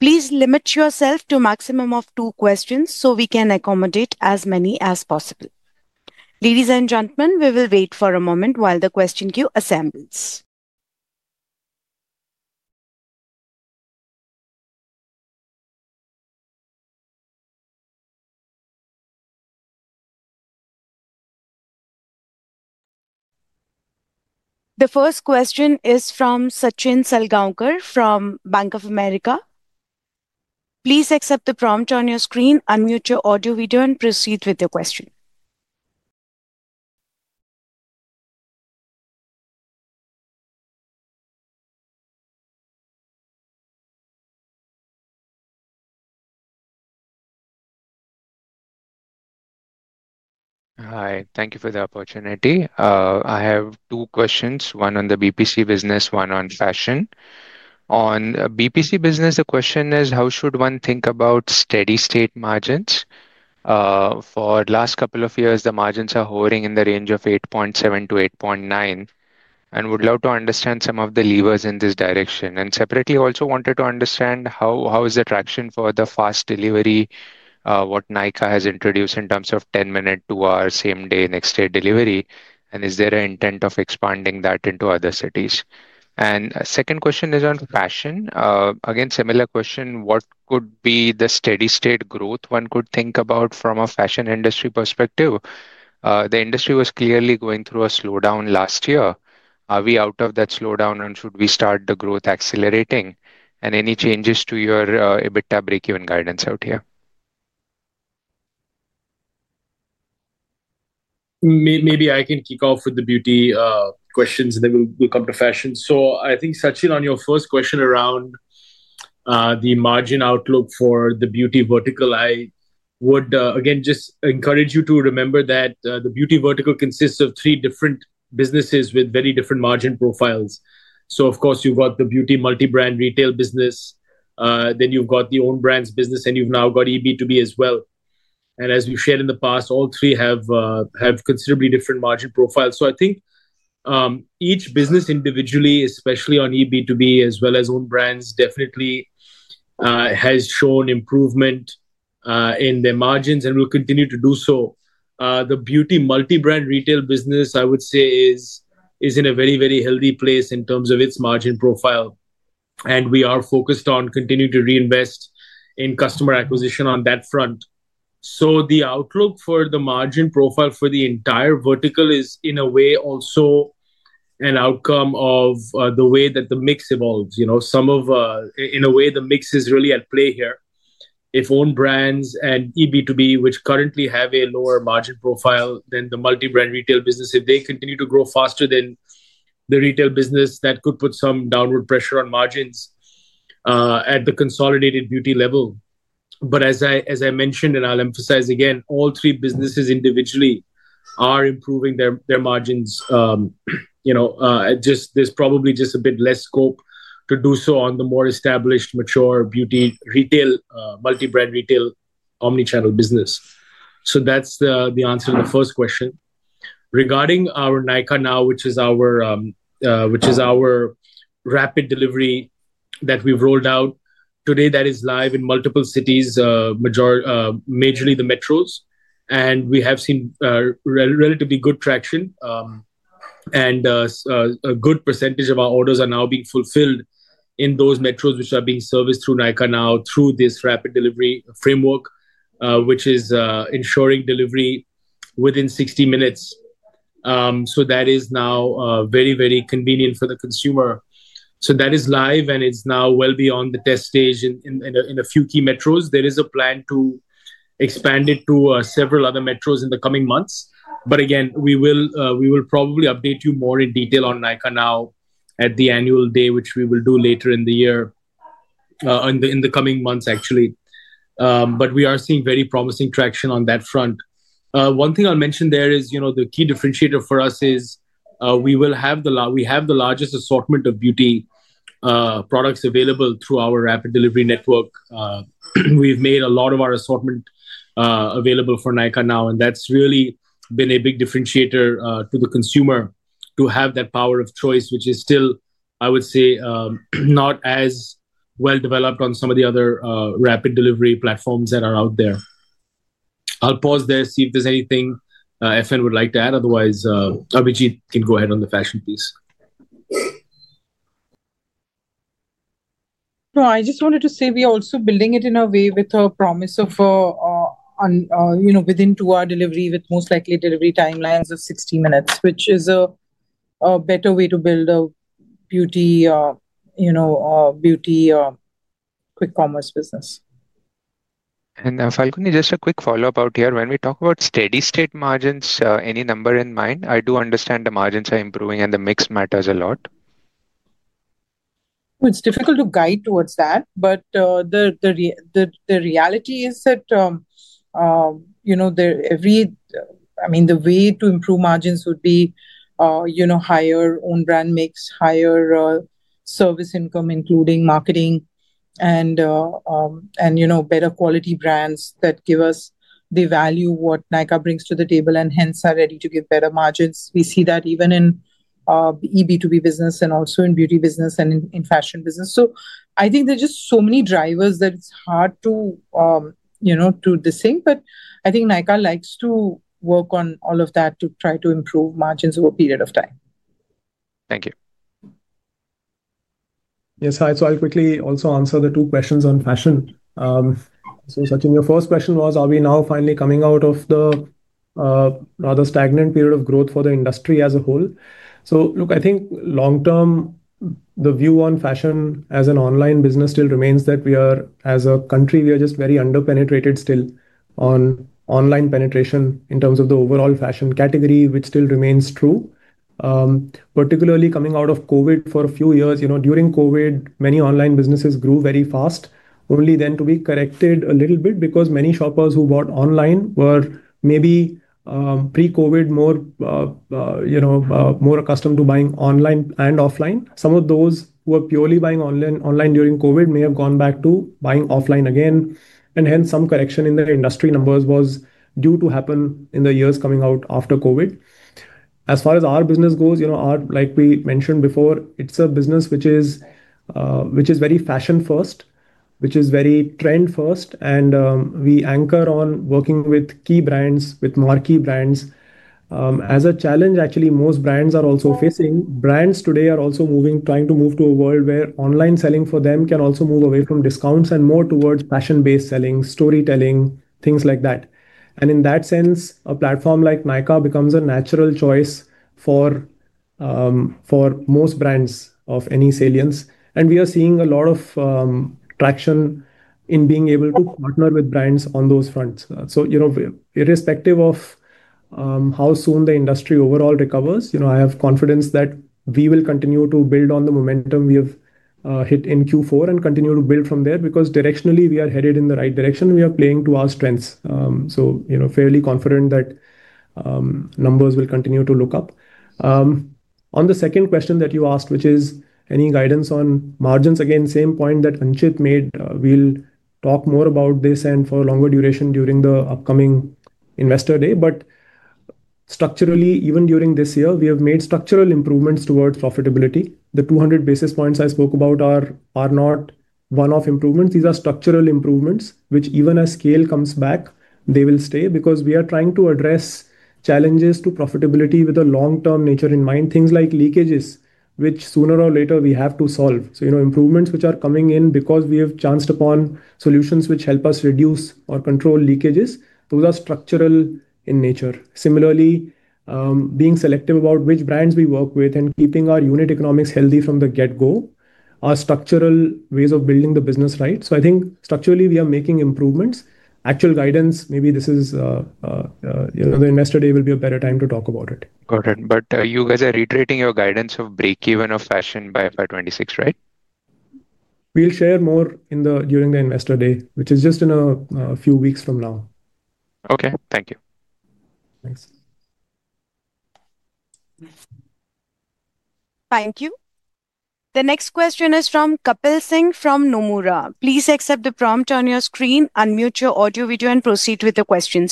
Please limit yourself to a maximum of two questions so we can accommodate as many as possible. Ladies and gentlemen, we will wait for a moment while the question queue assembles. The first question is from Sachin Salgaonkar from Bank of America. Please accept the prompt on your screen, unmute your audio video, and proceed with your question. Hi, thank you for the opportunity. I have two questions, one on the BPC business, one on Fashion. On BPC business, the question is, how should one think about steady state margins? For the last couple of years, the margins are hovering in the range of 8.7%-8.9%, and I would love to understand some of the levers in this direction. Separately, I also wanted to understand how is the traction for the fast delivery, what Nykaa has introduced in terms of 10-minute, 2-hour, same-day, next-day delivery, and is there an intent of expanding that into other cities? The second question is on Fashion. Again, similar question, what could be the steady state growth one could think about from a fashion industry perspective? The industry was clearly going through a slowdown last year. Are we out of that slowdown, and should we start the growth accelerating? Any changes to your EBITDA break-even guidance out here? Maybe I can kick off with the Beauty questions, and then we'll come to Fashion. I think, Sachin, on your first question around the margin outlook for the Beauty vertical, I would, again, just encourage you to remember that the Beauty vertical consists of three different businesses with very different margin profiles. Of course, you've got the beauty multi-brand retail business, then you've got the own brands business, and you've now got eB2B as well. As we've shared in the past, all three have considerably different margin profiles. I think each business individually, especially on eB2B as well as own brands, definitely has shown improvement in their margins and will continue to do so. The beauty multi-brand retail business, I would say, is in a very, very healthy place in terms of its margin profile, and we are focused on continuing to reinvest in customer acquisition on that front. The outlook for the margin profile for the entire vertical is, in a way, also an outcome of the way that the mix evolves. You know, some of, in a way, the mix is really at play here. If own brands and eB2B, which currently have a lower margin profile than the multi-brand retail business, if they continue to grow faster than the retail business, that could put some downward pressure on margins at the consolidated beauty level. As I mentioned, and I'll emphasize again, all three businesses individually are improving their margins. You know, there's probably just a bit less scope to do so on the more established, mature beauty retail, multi-brand retail omnichannel business. That's the answer to the first question. Regarding our Nykaa Now, which is our rapid delivery that we've rolled out today, that is live in multiple cities, majorly the metros, and we have seen relatively good traction, and a good percentage of our orders are now being fulfilled in those metros, which are being serviced through Nykaa Now through this rapid delivery framework, which is ensuring delivery within 60 minutes. That is now very, very convenient for the consumer. That is live, and it's now well beyond the test stage in a few key metros. There is a plan to expand it to several other metros in the coming months. We will probably update you more in detail on Nykaa Now at the annual day, which we will do later in the year, in the coming months, actually. We are seeing very promising traction on that front. One thing I'll mention there is, you know, the key differentiator for us is, we have the largest assortment of beauty products available through our rapid delivery network. We've made a lot of our assortment available for Nykaa Now, and that's really been a big differentiator to the consumer to have that power of choice, which is still, I would say, not as well developed on some of the other rapid delivery platforms that are out there. I'll pause there, see if there's anything Falguni would like to add. Otherwise, Abhijeet can go ahead on the Fashion piece. No, I just wanted to say we are also building it in a way with a promise of, you know, within two-hour delivery with most likely delivery timelines of 60 minutes, which is a better way to build a beauty, you know, Beauty, quick commerce business. Falguni, just a quick follow-up out here. When we talk about steady state margins, any number in mind? I do understand the margins are improving and the mix matters a lot. It's difficult to guide towards that, but the reality is that, you know, every, I mean, the way to improve margins would be, you know, higher own brand mix, higher service income, including marketing, and, you know, better quality brands that give us the value what Nykaa brings to the table and hence are ready to give better margins. We see that even in eB2B business and also in beauty business and in fashion business. I think there's just so many drivers that it's hard to, you know, to distinct. I think Nykaa likes to work on all of that to try to improve margins over a period of time. Thank you. Yes, hi. I'll quickly also answer the two questions on Fashion. Sachin, your first question was, are we now finally coming out of the, rather stagnant period of growth for the industry as a whole? Look, I think long-term, the view on Fashion as an online business still remains that we are, as a country, just very underpenetrated still on online penetration in terms of the overall fashion category, which still remains true. Particularly coming out of COVID for a few years, you know, during COVID, many online businesses grew very fast, only then to be corrected a little bit because many shoppers who bought online were maybe, pre-COVID, more, you know, more accustomed to buying online and offline. Some of those who were purely buying online during COVID may have gone back to buying offline again, and hence some correction in the industry numbers was due to happen in the years coming out after COVID. As far as our business goes, you know, like we mentioned before, it's a business which is very fashion-first, which is very trend-first, and we anchor on working with key brands, with marquee brands. As a challenge, actually, most brands are also facing. Brands today are also trying to move to a world where online selling for them can also move away from discounts and more towards fashion-based selling, storytelling, things like that. In that sense, a platform like Nykaa becomes a natural choice for most brands of any salience. We are seeing a lot of traction in being able to partner with brands on those fronts. You know, irrespective of how soon the industry overall recovers, you know, I have confidence that we will continue to build on the momentum we have hit in Q4 and continue to build from there because directionally we are headed in the right direction. We are playing to our strengths. You know, fairly confident that numbers will continue to look up. On the second question that you asked, which is any guidance on margins, again, same point that Anchit made. We will talk more about this and for a longer duration during the upcoming investor day. Structurally, even during this year, we have made structural improvements towards profitability. The 200 basis points I spoke about are not one-off improvements. These are structural improvements, which even as scale comes back, they will stay because we are trying to address challenges to profitability with a long-term nature in mind. Things like leakages, which sooner or later we have to solve. So, you know, improvements which are coming in because we have chanced upon solutions which help us reduce or control leakages. Those are structural in nature. Similarly, being selective about which brands we work with and keeping our unit economics healthy from the get-go, are structural ways of building the business, right? I think structurally we are making improvements. Actual guidance, maybe this is, you know, the investor day will be a better time to talk about it. Got it. But you guys are reiterating your guidance of break-even of Fashion by FY 2026, right? We'll share more in the during the Investor Day, which is just in a few weeks from now. Okay, thank you. Thanks. Thank you. The next question is from Kapil Singh from Nomura. Please accept the prompt on your screen, unmute your audio video, and proceed with the question.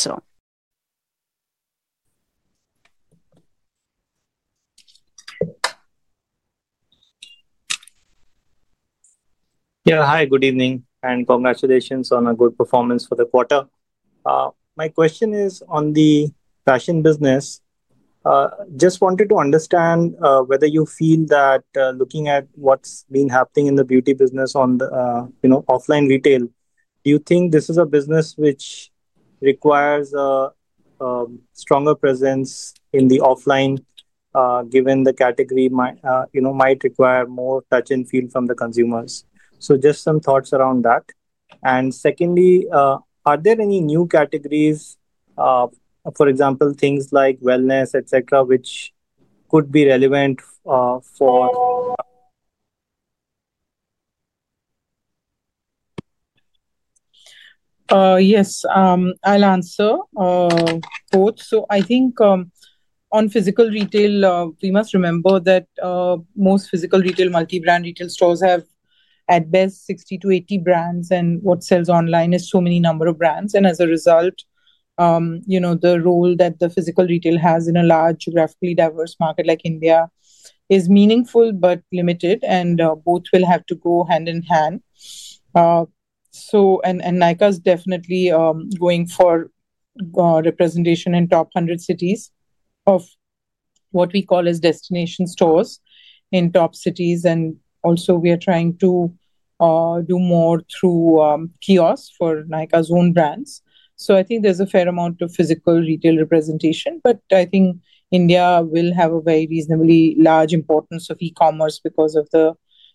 Hi, good evening and congratulations on a good performance for the quarter. My question is on the Fashion business. Just wanted to understand, whether you feel that, looking at what's been happening in the beauty business on the, you know, offline retail, do you think this is a business which requires a stronger presence in the offline, given the category might, you know, might require more touch and feel from the consumers? Just some thoughts around that. Secondly, are there any new categories, for example, things like wellness, etc., which could be relevant, for, Yes, I'll answer, both. I think, on physical retail, we must remember that most physical retail, multi-brand retail stores have at best 60-80 brands, and what sells online is so many number of brands. As a result, you know, the role that the physical retail has in a large geographically diverse market like India is meaningful but limited, and both will have to go hand in hand. Nykaa is definitely going for representation in top 100 cities of what we call as destination stores in top cities. Also, we are trying to do more through kiosks for Nykaa's own brands. I think there's a fair amount of physical retail representation, but I think India will have a very reasonably large importance of e-commerce because of the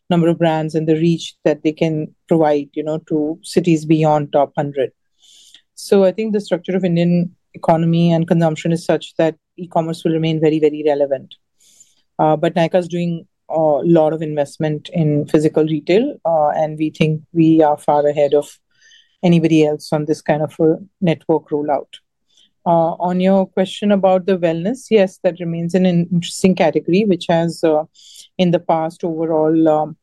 number of brands and the reach that they can provide, you know, to cities beyond top 100. I think the structure of the Indian economy and consumption is such that e-commerce will remain very, very relevant. Nykaa is doing a lot of investment in physical retail, and we think we are far ahead of anybody else on this kind of a network rollout. On your question about the wellness, yes, that remains an interesting category, which has, in the past overall,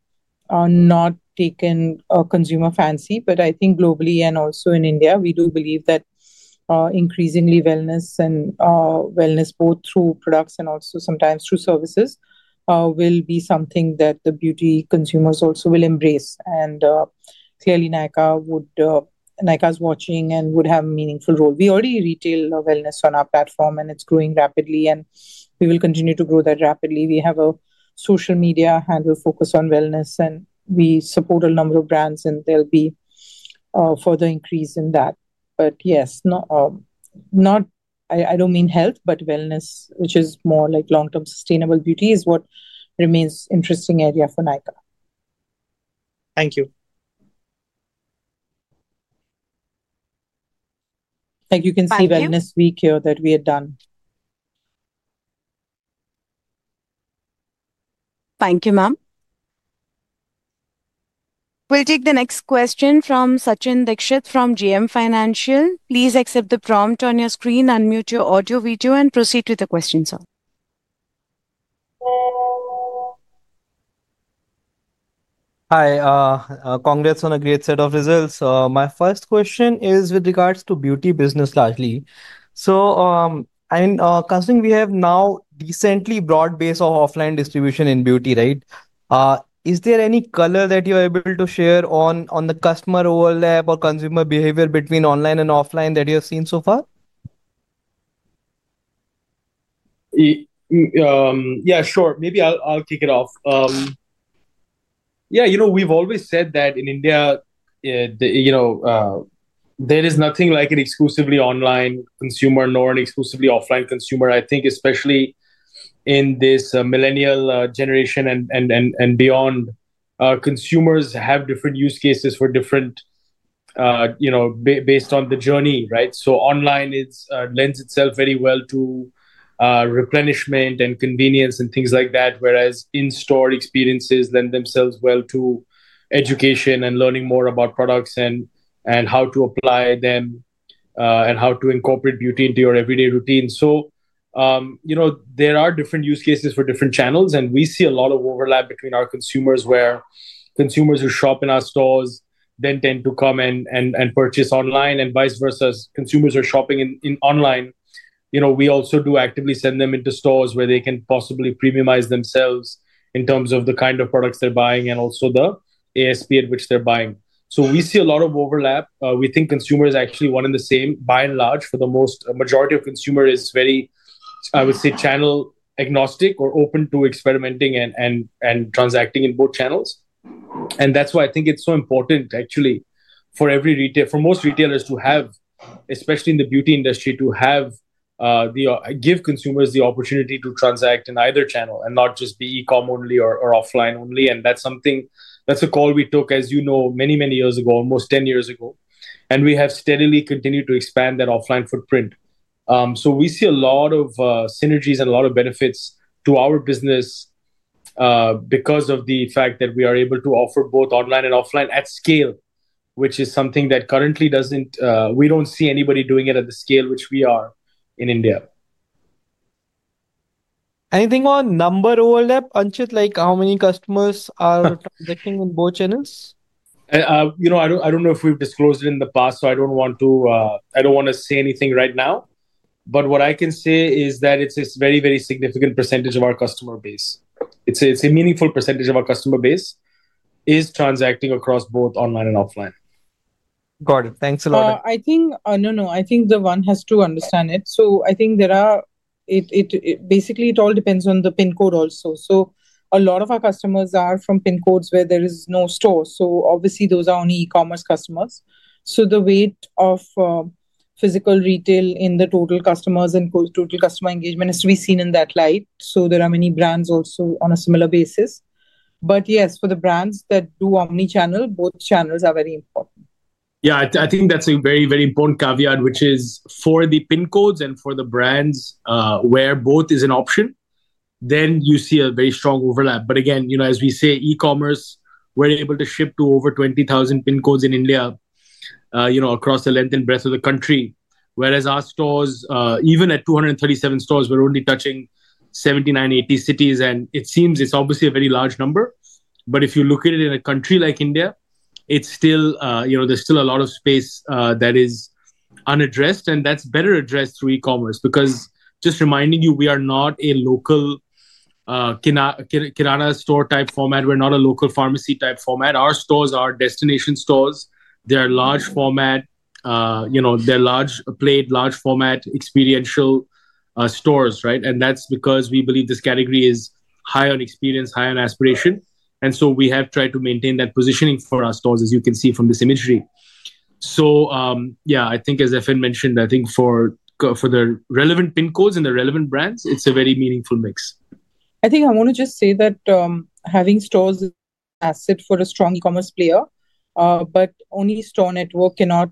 not taken a consumer fancy, but I think globally and also in India, we do believe that, increasingly, wellness and wellness both through products and also sometimes through services will be something that the beauty consumers also will embrace. Clearly, Nykaa is watching and would have a meaningful role. We already retail wellness on our platform, and it is growing rapidly, and we will continue to grow that rapidly. We have a social media handle focused on wellness, and we support a number of brands, and there'll be further increase in that. Yes, no, not, I do not mean health, but wellness, which is more like long-term sustainable beauty is what remains interesting area for Nykaa. Thank you. Like you can see Wellness Week here that we had done. Thank you, ma'am. We'll take the next question from Sachin Dixit from JM Financial. Please accept the prompt on your screen, unmute your audio video, and proceed with the question. Hi, congrats on a great set of results. My first question is with regards to Beauty business largely. I mean, considering we have now decently broad base of offline distribution in Beauty, right? Is there any color that you are able to share on, on the customer overlap or consumer behavior between online and offline that you have seen so far? Yeah, sure. Maybe I'll, I'll kick it off. Yeah, you know, we've always said that in India, you know, there is nothing like an exclusively online consumer nor an exclusively offline consumer. I think especially in this millennial generation and beyond, consumers have different use cases for different, you know, based on the journey, right? Online lends itself very well to replenishment and convenience and things like that, whereas in-store experiences lend themselves well to education and learning more about products and how to apply them, and how to incorporate Beauty into your everyday routine. You know, there are different use cases for different channels, and we see a lot of overlap between our consumers where consumers who shop in our stores then tend to come and purchase online and vice versa. Consumers who are shopping in online, you know, we also do actively send them into stores where they can possibly premiumize themselves in terms of the kind of products they're buying and also the ASP at which they're buying. We see a lot of overlap. We think consumers actually want the same, by and large, for the most majority of consumers is very, I would say, channel agnostic or open to experimenting and transacting in both channels. That's why I think it's so important actually for every retailer, for most retailers to have, especially in the beauty industry, to have, to give consumers the opportunity to transact in either channel and not just be e-com only or offline only. That's something, that's a call we took, as you know, many, many years ago, almost 10 years ago, and we have steadily continued to expand that offline footprint. We see a lot of synergies and a lot of benefits to our business, because of the fact that we are able to offer both online and offline at scale, which is something that currently doesn't, we don't see anybody doing it at the scale which we are in India. Anything on number overlap, Anchit? Like how many customers are transacting in both channels? You know, I don't know if we've disclosed it in the past, so I don't want to say anything right now, but what I can say is that it's a very, very significant percentage of our customer base. It's a meaningful percentage of our customer base is transacting across both online and offline. Got it. Thanks a lot. I think the one has to understand it. I think there are, it basically all depends on the pin code also. A lot of our customers are from pin codes where there is no store. Obviously those are only e-commerce customers. The weight of physical retail in the total customers and total customer engagement has to be seen in that light. There are many brands also on a similar basis. But yes, for the brands that do omnichannel, both channels are very important. Yeah, I think that's a very, very important caveat, which is for the pin codes and for the brands, where both is an option, then you see a very strong overlap. But again, you know, as we say, e-commerce, we're able to ship to over 20,000 pin codes in India, you know, across the length and breadth of the country, whereas our stores, even at 237 stores, we're only touching 79, 80 cities. It seems it's obviously a very large number, but if you look at it in a country like India, it's still, you know, there's still a lot of space that is unaddressed, and that's better addressed through e-commerce because just reminding you, we are not a local Kirana store type format. We're not a local pharmacy type format. Our stores are destination stores. They're large format, you know, they're large plate, large format experiential stores, right? That's because we believe this category is high on experience, high on aspiration. We have tried to maintain that positioning for our stores, as you can see from this imagery. Yeah, I think as Falguni mentioned, I think for the relevant pin codes and the relevant brands, it's a very meaningful mix. I think I want to just say that having stores is an asset for a strong e-commerce player, but only store network cannot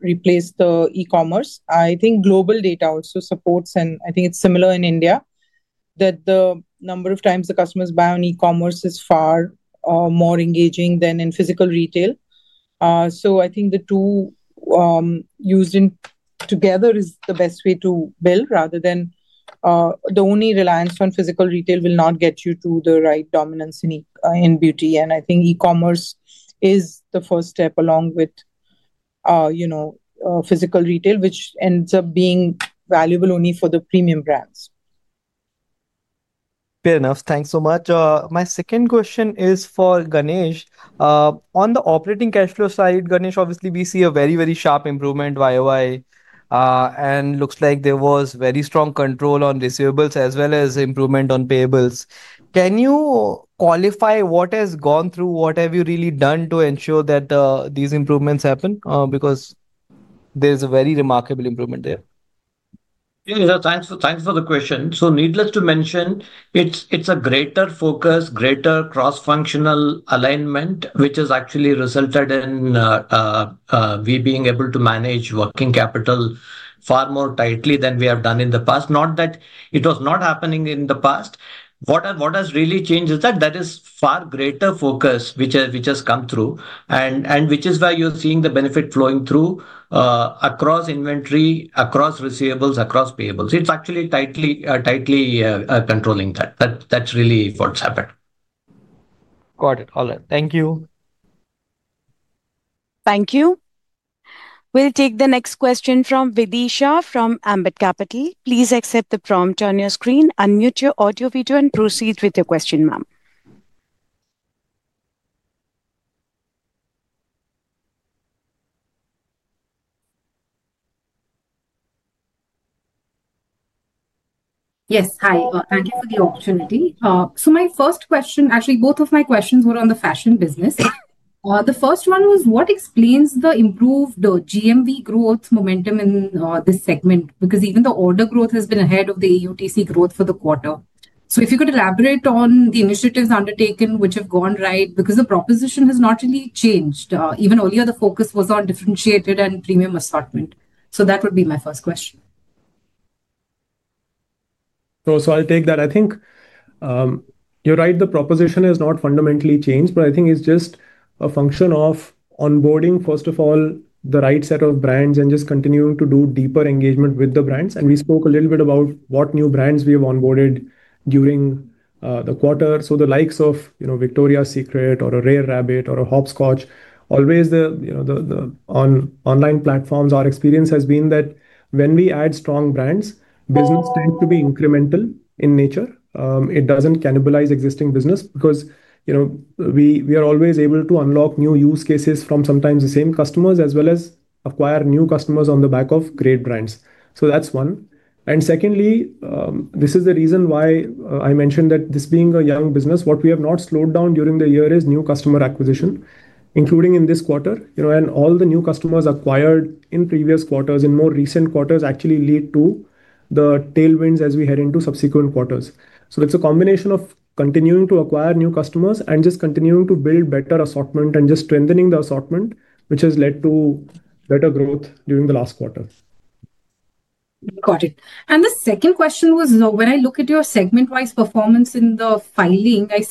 replace the e-commerce. I think global data also supports, and I think it's similar in India, that the number of times the customers buy on e-commerce is far more engaging than in physical retail. I think the two, used in together, is the best way to build rather than the only reliance on physical retail will not get you to the right dominance in beauty. I think e-commerce is the first step along with, you know, physical retail, which ends up being valuable only for the premium brands. Fair enough. Thanks so much. My second question is for Ganesh. On the operating cash flow side, Ganesh, obviously we see a very, very sharp improvement year on year, and looks like there was very strong control on receivables as well as improvement on payables. Can you qualify what has gone through, what have you really done to ensure that these improvements happen? Because there is a very remarkable improvement there. Yeah, yeah, thanks for, thanks for the question. Needless to mention, it's a greater focus, greater cross-functional alignment, which has actually resulted in we being able to manage working capital far more tightly than we have done in the past. Not that it was not happening in the past. What has really changed is that there is far greater focus, which has come through and which is why you're seeing the benefit flowing through across inventory, across receivables, across payables. It's actually tightly, tightly controlling that. That's really what's happened. Got it. All right. Thank you. Thank you. We'll take the next question from Videesha from Ambit Private. Please accept the prompt on your screen, unmute your audio video and proceed with your question, ma'am. Yes. Hi. Thank you for the opportunity. My first question, actually both of my questions were on the Fashion business. The first one was what explains the improved GMV growth momentum in this segment? Because even the order growth has been ahead of the AUTC growth for the quarter. If you could elaborate on the initiatives undertaken which have gone right, because the proposition has not really changed. Even earlier the focus was on differentiated and premium assortment. That would be my first question. I'll take that. I think you're right. The proposition has not fundamentally changed, but I think it's just a function of onboarding, first of all, the right set of brands and just continuing to do deeper engagement with the brands. We spoke a little bit about what new brands we have onboarded during the quarter. The likes of, you know, Victoria's Secret or Rare Rabbit or Hopscotch, always the, you know, on online platforms, our experience has been that when we add strong brands, business tends to be incremental in nature. It does not cannibalize existing business because, you know, we are always able to unlock new use cases from sometimes the same customers as well as acquire new customers on the back of great brands. That is one. Secondly, this is the reason why I mentioned that this being a young business, what we have not slowed down during the year is new customer acquisition, including in this quarter, you know, and all the new customers acquired in previous quarters, in more recent quarters actually lead to the tailwinds as we head into subsequent quarters. It's a combination of continuing to acquire new customers and just continuing to build better assortment and just strengthening the assortment, which has led to better growth during the last quarter. Got it. The second question was, when I look at your segment-wise performance in the filing, I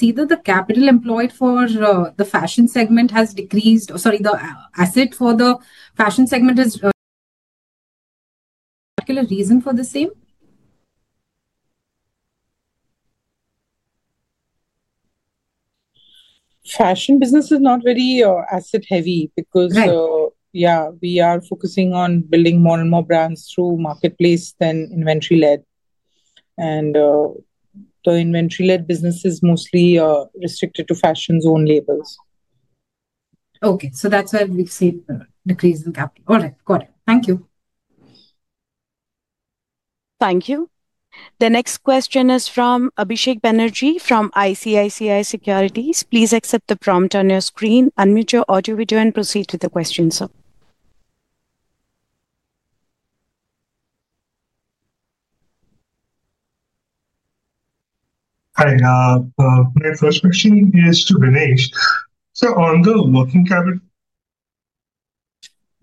see that the capital employed for the Fashion segment has decreased, or sorry, the asset for the Fashion segment has a particular reason for the same. Fashion business is not very asset-heavy because, yeah, we are focusing on building more and more brands through marketplace than inventory-led. The inventory-led business is mostly restricted to fashion-owned labels. Okay. That's why we've seen decrease in capital. All right. Got it. Thank you. Thank you. The next question is from Abhisek Banerjee from ICICI Securities. Please accept the prompt on your screen, unmute your audio video, and proceed with the question. Hi. My first question is to Ganesh. On the working capital,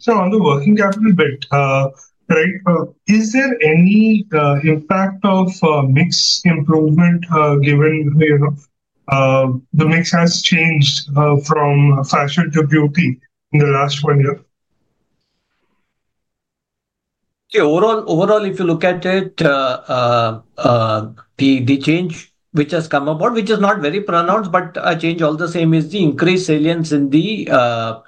on the working capital bit, right, is there any impact of mix improvement, given, you know, the mix has changed from Fashion to Beauty in the last one year? Okay. Overall, if you look at it, the change which has come about, which is not very pronounced, but a change all the same, is the increased salience in the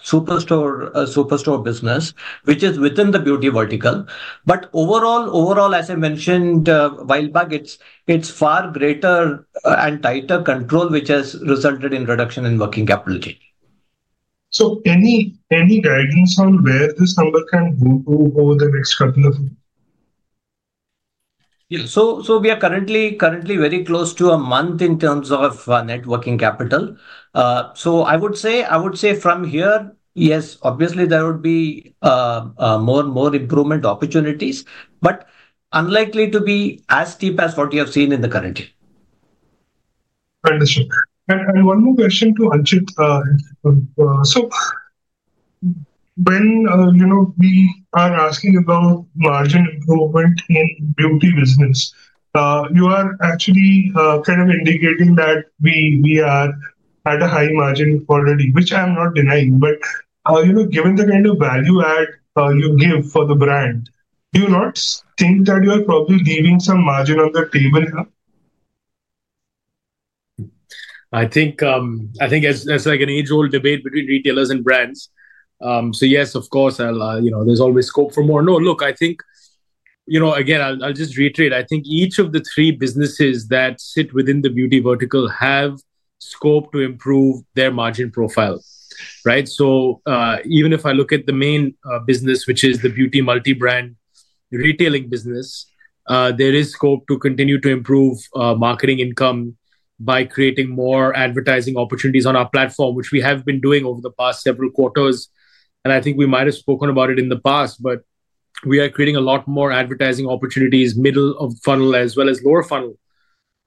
Superstore business, which is within the Beauty vertical. Overall, as I mentioned a while back, it is far greater and tighter control, which has resulted in reduction in working capital gain. Any guidance on where this number can go to over the next couple of years? Yeah. We are currently very close to a month in terms of networking capital. I would say from here, yes, obviously there would be more and more improvement opportunities, but unlikely to be as steep as what you have seen in the current year. Understood. One more question to Anchit. When we are asking about margin improvement in beauty business, you are actually kind of indicating that we are at a high margin already, which I'm not denying, but given the kind of value add you give for the brand, do you not think that you are probably leaving some margin on the table here? I think as, as like an age-old debate between retailers and brands. Yes, of course, I'll, you know, there's always scope for more. No, look, I think, you know, again, I'll just reiterate. I think each of the three businesses that sit within the Beauty vertical have scope to improve their margin profile, right? Even if I look at the main business, which is the beauty multi-brand retailing business, there is scope to continue to improve marketing income by creating more advertising opportunities on our platform, which we have been doing over the past several quarters. I think we might have spoken about it in the past, but we are creating a lot more advertising opportunities middle of funnel as well as lower funnel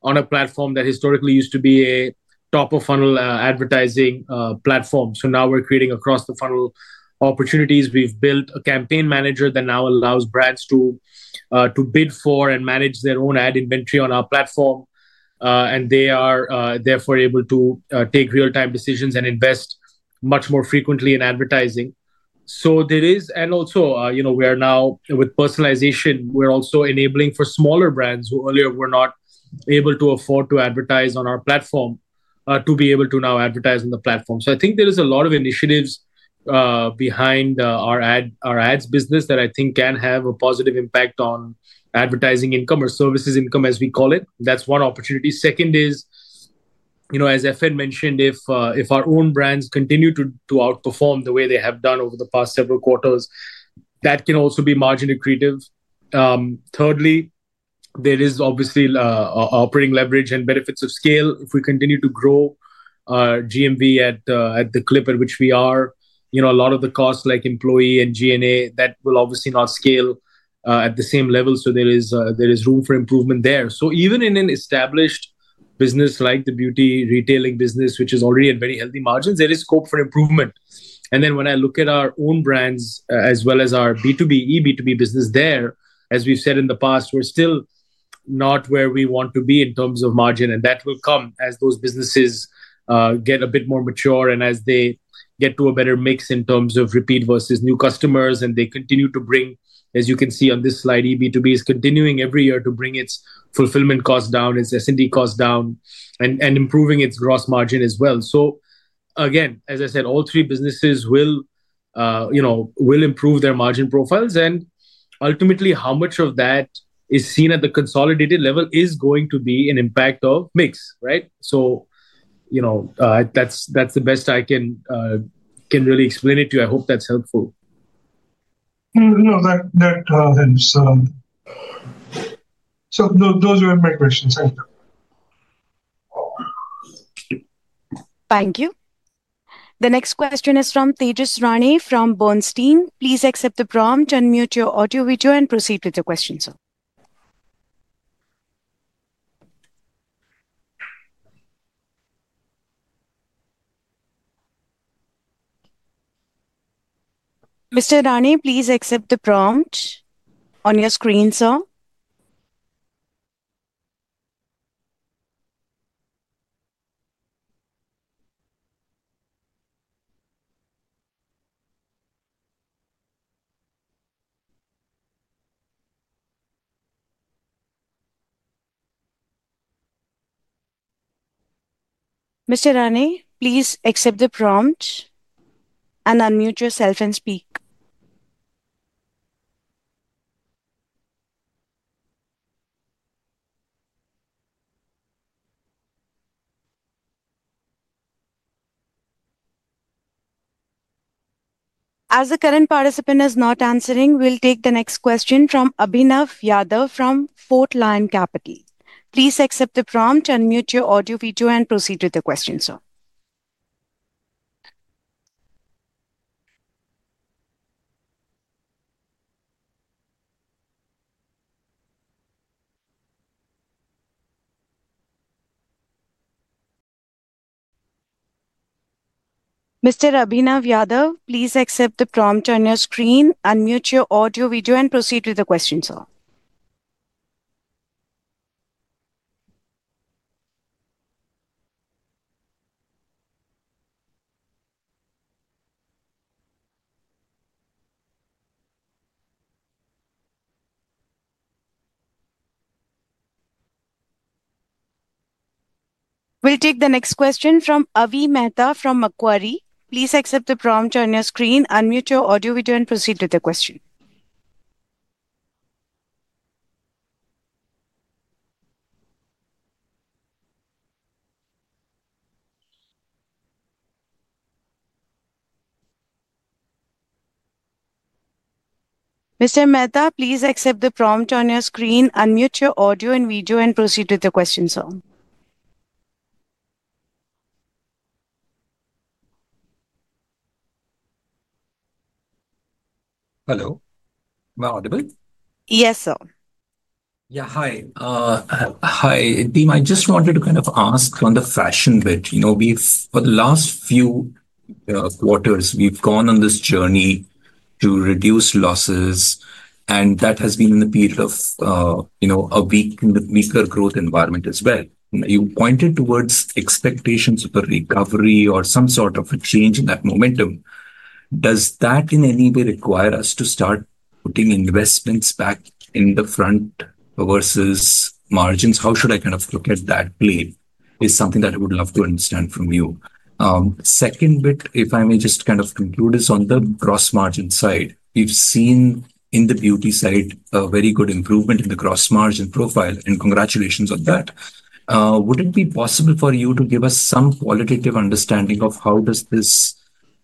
on a platform that historically used to be a top of funnel advertising platform. Now we're creating across the funnel opportunities. We've built a campaign manager that now allows brands to bid for and manage their own ad inventory on our platform. They are, therefore, able to take real-time decisions and invest much more frequently in advertising. There is, and also, you know, we are now with personalization, we're also enabling for smaller brands who earlier were not able to afford to advertise on our platform, to be able to now advertise on the platform. I think there is a lot of initiatives behind our ad, our ads business that I think can have a positive impact on advertising income or services income, as we call it. That's one opportunity. Second is, you know, as Falguni mentioned, if our own brands continue to outperform the way they have done over the past several quarters, that can also be marginally accretive. Thirdly, there is obviously operating leverage and benefits of scale. If we continue to grow GMV at the clip at which we are, you know, a lot of the costs like employee and G&A, that will obviously not scale at the same level. There is room for improvement there. Even in an established business like the beauty retailing business, which is already at very healthy margins, there is scope for improvement. When I look at our own brands, as well as our B2B, eB2B business, there, as we've said in the past, we're still not where we want to be in terms of margin. That will come as those businesses get a bit more mature and as they get to a better mix in terms of repeat versus new customers and they continue to bring, as you can see on this slide, eB2B is continuing every year to bring its fulfillment cost down, its S&D cost down, and improving its gross margin as well. Again, as I said, all three businesses will, you know, will improve their margin profiles. Ultimately, how much of that is seen at the consolidated level is going to be an impact of mix, right? That is the best I can really explain it to you. I hope that is helpful. No, that, hence, those were my questions. Thank you. Thank you. The next question is from Tejus Rani from Bernstein. Please accept the prompt, unmute your audio video and proceed with the question. Mr. Rani, please accept the prompt on your screen. Mr. Rani, please accept the prompt and unmute yourself and speak. As the current participant is not answering, we will take the next question from Abhinav Yadav from FourLion Capital. Please accept the prompt, unmute your audio video and proceed with the question. Mr. Abhinav Yadav, please accept the prompt on your screen, unmute your audio video and proceed with the question. We will take the next question from Avi Mehta from Macquarie. Please accept the prompt on your screen, unmute your audio video and proceed with the question. Mr. Mehta, please accept the prompt on your screen, unmute your audio and video and proceed with the question. Hello, am I audible? Yes, sir. Yeah. Hi. Hi, team. I just wanted to kind of ask on the Fashion bit. You know, we've, for the last few quarters, we've gone on this journey to reduce losses, and that has been in the period of, you know, a weak growth environment as well. You pointed towards expectations of a recovery or some sort of a change in that momentum. Does that in any way require us to start putting investments back in the front versus margins? How should I kind of look at that play is something that I would love to understand from you. Second bit, if I may just kind of conclude this on the gross margin side, we've seen in the Beauty side a very good improvement in the gross margin profile, and congratulations on that. Would it be possible for you to give us some qualitative understanding of how does this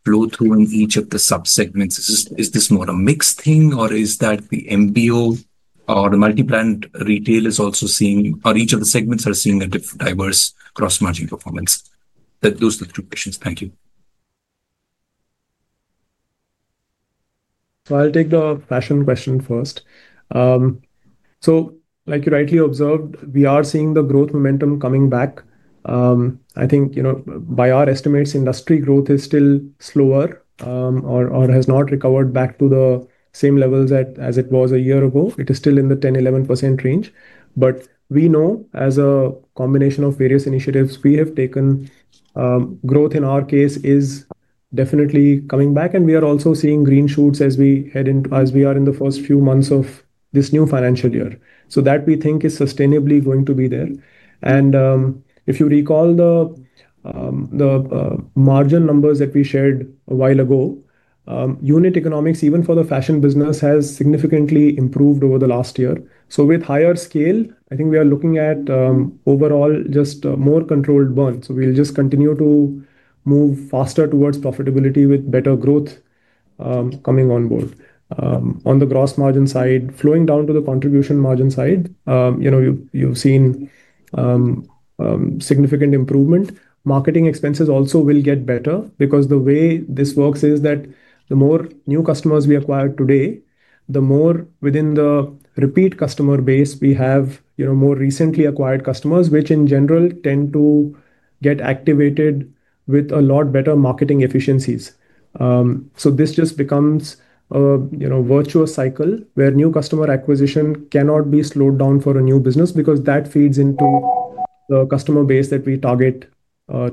flow through in each of the subsegments? Is this more a mixed thing, or is that the MBO or the multi-brand retail is also seeing, or each of the segments are seeing a diverse gross margin performance? Those are the two questions. Thank you. I'll take the Fashion question first. Like you rightly observed, we are seeing the growth momentum coming back. I think, you know, by our estimates, industry growth is still slower, or has not recovered back to the same levels as it was a year ago. It is still in the 10%-11% range, but we know as a combination of various initiatives we have taken, growth in our case is definitely coming back, and we are also seeing green shoots as we head into, as we are in the first few months of this new financial year. That we think is sustainably going to be there. If you recall the margin numbers that we shared a while ago, unit economics, even for the fashion business, has significantly improved over the last year. With higher scale, I think we are looking at overall just more controlled burn. We will just continue to move faster towards profitability with better growth coming on board, on the gross margin side, flowing down to the contribution margin side. You know, you've seen significant improvement. Marketing expenses also will get better because the way this works is that the more new customers we acquire today, the more within the repeat customer base we have, you know, more recently acquired customers, which in general tend to get activated with a lot better marketing efficiencies. This just becomes a, you know, virtuous cycle where new customer acquisition cannot be slowed down for a new business because that feeds into the customer base that we target,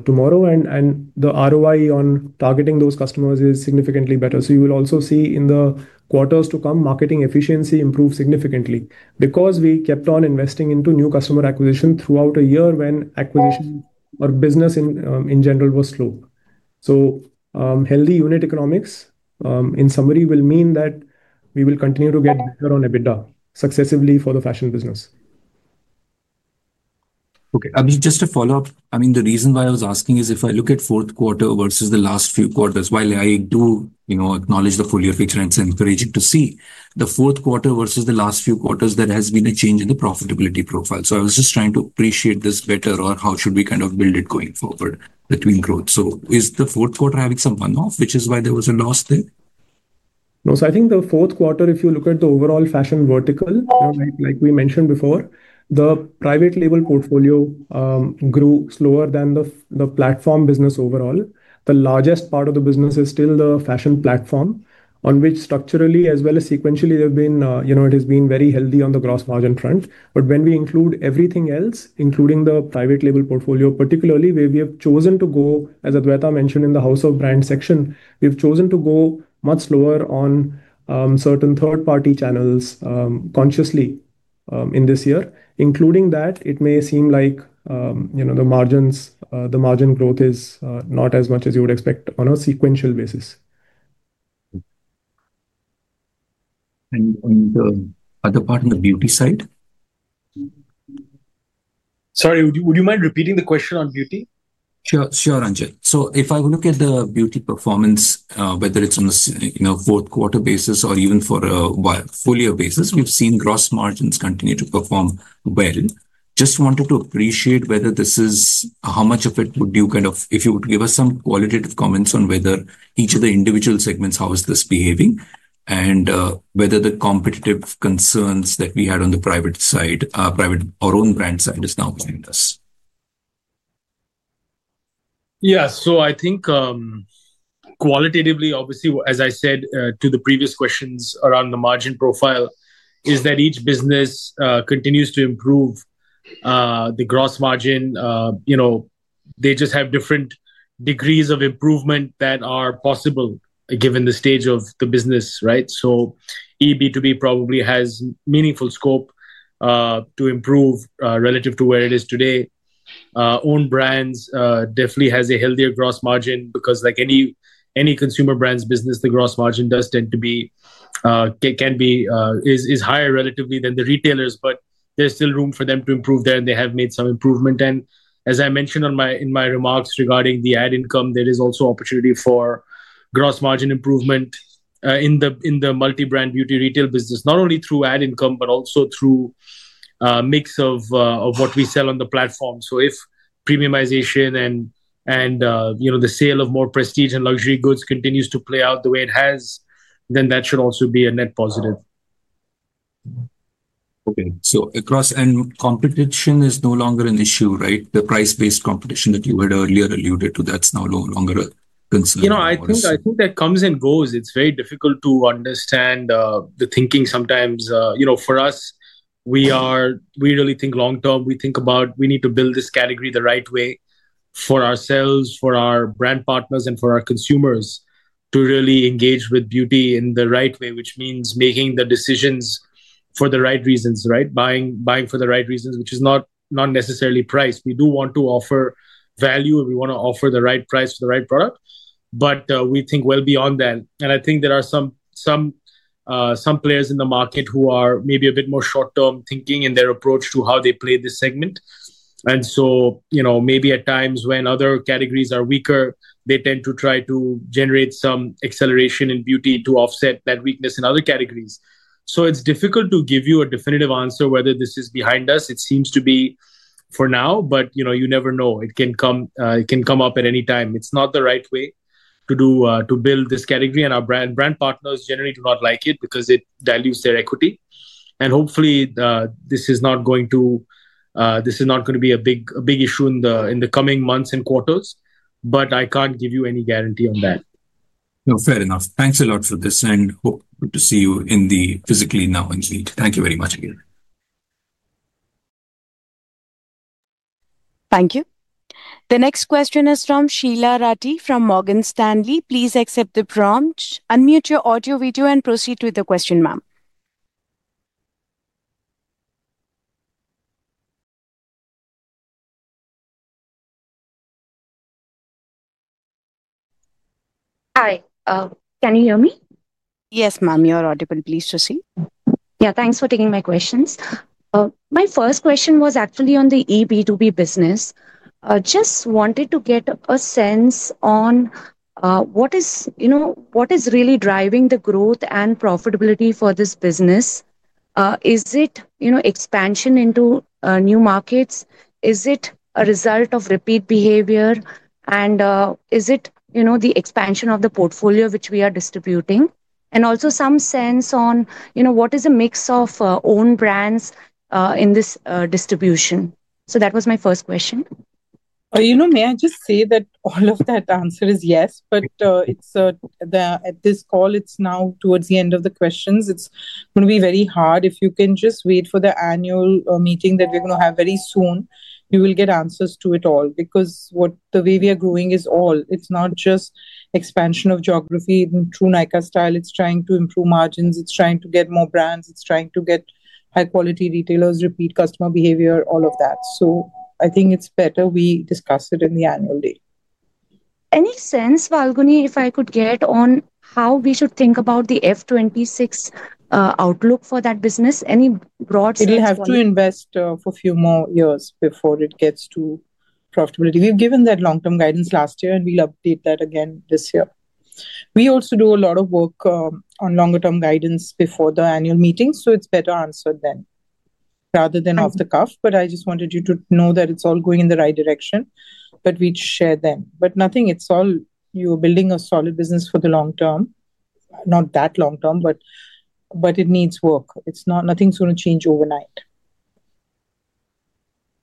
tomorrow. And the ROI on targeting those customers is significantly better. You will also see in the quarters to come, marketing efficiency improves significantly because we kept on investing into new customer acquisition throughout a year when acquisition or business in, in general was slow. Healthy unit economics, in summary, will mean that we will continue to get better on EBITDA successively for the Fashion business. Okay. Anchit, just a follow-up. I mean, the reason why I was asking is if I look at fourth quarter versus the last few quarters, while I do, you know, acknowledge the full year picture and it is encouraging to see the fourth quarter versus the last few quarters, there has been a change in the profitability profile. I was just trying to appreciate this better, or how should we kind of build it going forward between growth? Is the fourth quarter having some one-off, which is why there was a loss there? No, I think the fourth quarter, if you look at the overall Fashion vertical, you know, like we mentioned before, the private label portfolio grew slower than the platform business overall. The largest part of the business is still the Fashion platform on which structurally, as well as sequentially, there've been, you know, it has been very healthy on the gross margin front. When we include everything else, including the private label portfolio, particularly where we have chosen to go, as Adwaita mentioned in the House of Brand section, we've chosen to go much slower on certain third-party channels, consciously, in this year, including that it may seem like, you know, the margins, the margin growth is not as much as you would expect on a sequential basis. The other part on the Beauty side? Sorry, would you mind repeating the question on Beauty? Sure, sure, Anchit. If I look at the Beauty performance, whether it is on a, you know, fourth quarter basis or even for a full year basis, we have seen gross margins continue to perform well. Just wanted to appreciate whether this is, how much of it would you kind of, if you would give us some qualitative comments on whether each of the individual segments, how is this behaving and whether the competitive concerns that we had on the private side, private or own brand side, is now behind us. Yeah. I think, qualitatively, obviously, as I said to the previous questions around the margin profile, is that each business continues to improve the gross margin, you know, they just have different degrees of improvement that are possible given the stage of the business, right? eB2B probably has meaningful scope to improve relative to where it is today. Own brands definitely has a healthier gross margin because like any, any consumer brands business, the gross margin does tend to be, can be, is higher relatively than the retailers, but there's still room for them to improve there and they have made some improvement. As I mentioned in my remarks regarding the ad income, there is also opportunity for gross margin improvement in the multi-brand beauty retail business, not only through ad income, but also through mix of what we sell on the platform. If premiumization and, you know, the sale of more prestige and luxury goods continues to play out the way it has, then that should also be a net positive. Okay. Across and competition is no longer an issue, right? The price-based competition that you had earlier alluded to, that's now no longer a concern. You know, I think that comes and goes. It's very difficult to understand the thinking sometimes, you know, for us, we really think long-term, we think about, we need to build this category the right way for ourselves, for our brand partners, and for our consumers to really engage with Beauty in the right way, which means making the decisions for the right reasons, right? Buying for the right reasons, which is not necessarily price. We do want to offer value. We wanna offer the right price for the right product, but we think well beyond that. I think there are some players in the market who are maybe a bit more short-term thinking in their approach to how they play this segment. You know, maybe at times when other categories are weaker, they tend to try to generate some acceleration in Beauty to offset that weakness in other categories. It is difficult to give you a definitive answer whether this is behind us. It seems to be for now, but you never know. It can come, it can come up at any time. It is not the right way to do, to build this category. Our brand partners generally do not like it because it dilutes their equity. Hopefully, this is not going to, this is not gonna be a big issue in the coming months and quarters, but I cannot give you any guarantee on that. No, fair enough. Thanks a lot for this and hope to see you in the physically now indeed. Thank you very much again. Thank you. The next question is from Sheela Rathi from Morgan Stanley. Please accept the prompt, unmute your audio video and proceed with the question, ma'am. Hi. Can you hear me? Yes, ma'am. Your audio can, please proceed. Yeah. Thanks for taking my questions. My first question was actually on the eB2B business. Just wanted to get a sense on what is, you know, what is really driving the growth and profitability for this business? Is it, you know, expansion into new markets? Is it a result of repeat behavior? Is it, you know, the expansion of the portfolio which we are distributing? Also, some sense on, you know, what is the mix of own brands in this distribution? That was my first question. You know, may I just say that all of that answer is yes, but it's, at this call, it's now towards the end of the questions. It's gonna be very hard. If you can just wait for the annual meeting that we're gonna have very soon, you will get answers to it all because what the way we are growing is all, it's not just expansion of geography in true Nykaa style. It's trying to improve margins. It's trying to get more brands. It's trying to get high-quality retailers, repeat customer behavior, all of that. I think it's better we discuss it in the annual date. Any sense, Falguni, if I could get on how we should think about the FY 2026 outlook for that business? Any broad sense? It will have to invest for a few more years before it gets to profitability. We've given that long-term guidance last year, and we'll update that again this year. We also do a lot of work on longer-term guidance before the annual meetings, so it's better answered then rather than off the cuff. I just wanted you to know that it's all going in the right direction, but we'd share then. Nothing, it's all, you are building a solid business for the long term, not that long term, but it needs work. It's not, nothing's gonna change overnight.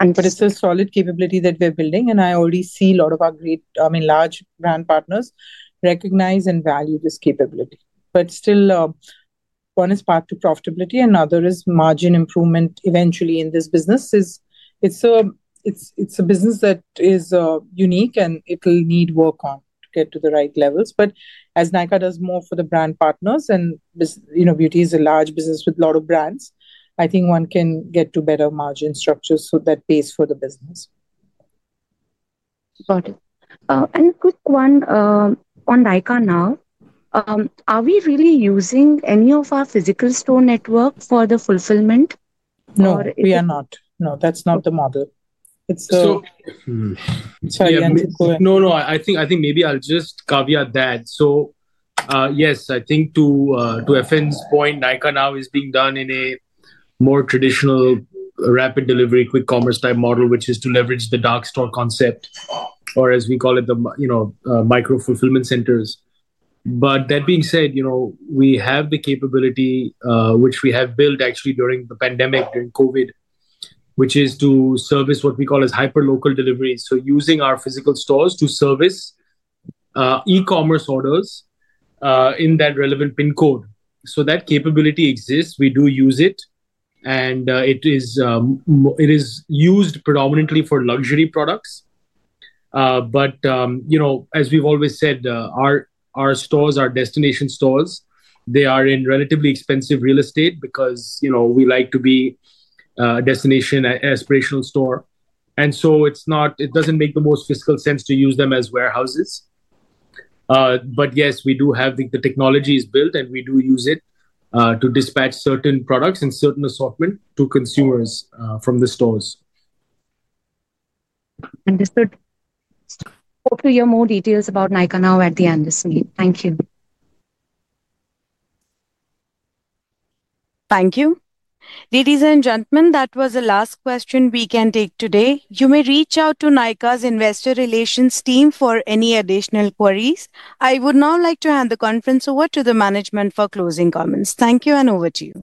It's a solid capability that we are building, and I already see a lot of our great, I mean, large brand partners recognize and value this capability. Still, one is path to profitability and another is margin improvement eventually in this business. It's a business that is unique and it'll need work on to get to the right levels. But as Nykaa does more for the brand partners and, you know, Beauty is a large business with a lot of brands, I think one can get to better margin structures so that pays for the business. Got it. A quick one, on Nykaa Now, are we really using any of our physical store network for the fulfillment? No, we are not. No, that's not the model. Sorry, Anchit. No, I think maybe I'll just caveat that. Yes, I think to FSN's point, Nykaa Now is being done in a more traditional rapid delivery, quick commerce type model, which is to leverage the dark store concept, or as we call it, the micro fulfillment centers. That being said, you know, we have the capability, which we have built actually during the pandemic, during COVID, which is to service what we call as hyperlocal delivery. Using our physical stores to service e-commerce orders in that relevant pin code. That capability exists. We do use it, and it is used predominantly for luxury products. You know, as we've always said, our stores are destination stores. They are in relatively expensive real estate because, you know, we like to be a destination aspirational store. It's not, it doesn't make the most physical sense to use them as warehouses. Yes, we do have the technology built and we do use it to dispatch certain products and certain assortment to consumers from the stores. Understood. Hope to hear more details about Nykaa Now at the end, Anchit. Thank you. Thank you. Ladies and gentlemen, that was the last question we can take today. You may reach out to Nykaa's investor relations team for any additional queries. I would now like to hand the conference over to the management for closing comments. Thank you and over to you.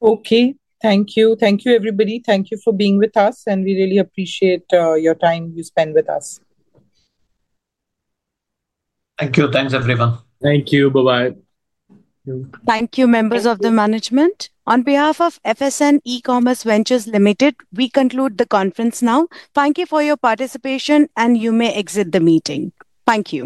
Okay. Thank you. Thank you, everybody. Thank you for being with us, and we really appreciate your time you spend with us. Thank you. Thanks, everyone. Thank you. Bye-bye. Thank you. Thank you, members of the management. On behalf of FSN E-Commerce Ventures Limited, we conclude the conference now. Thank you for your participation, and you may exit the meeting. Thank you.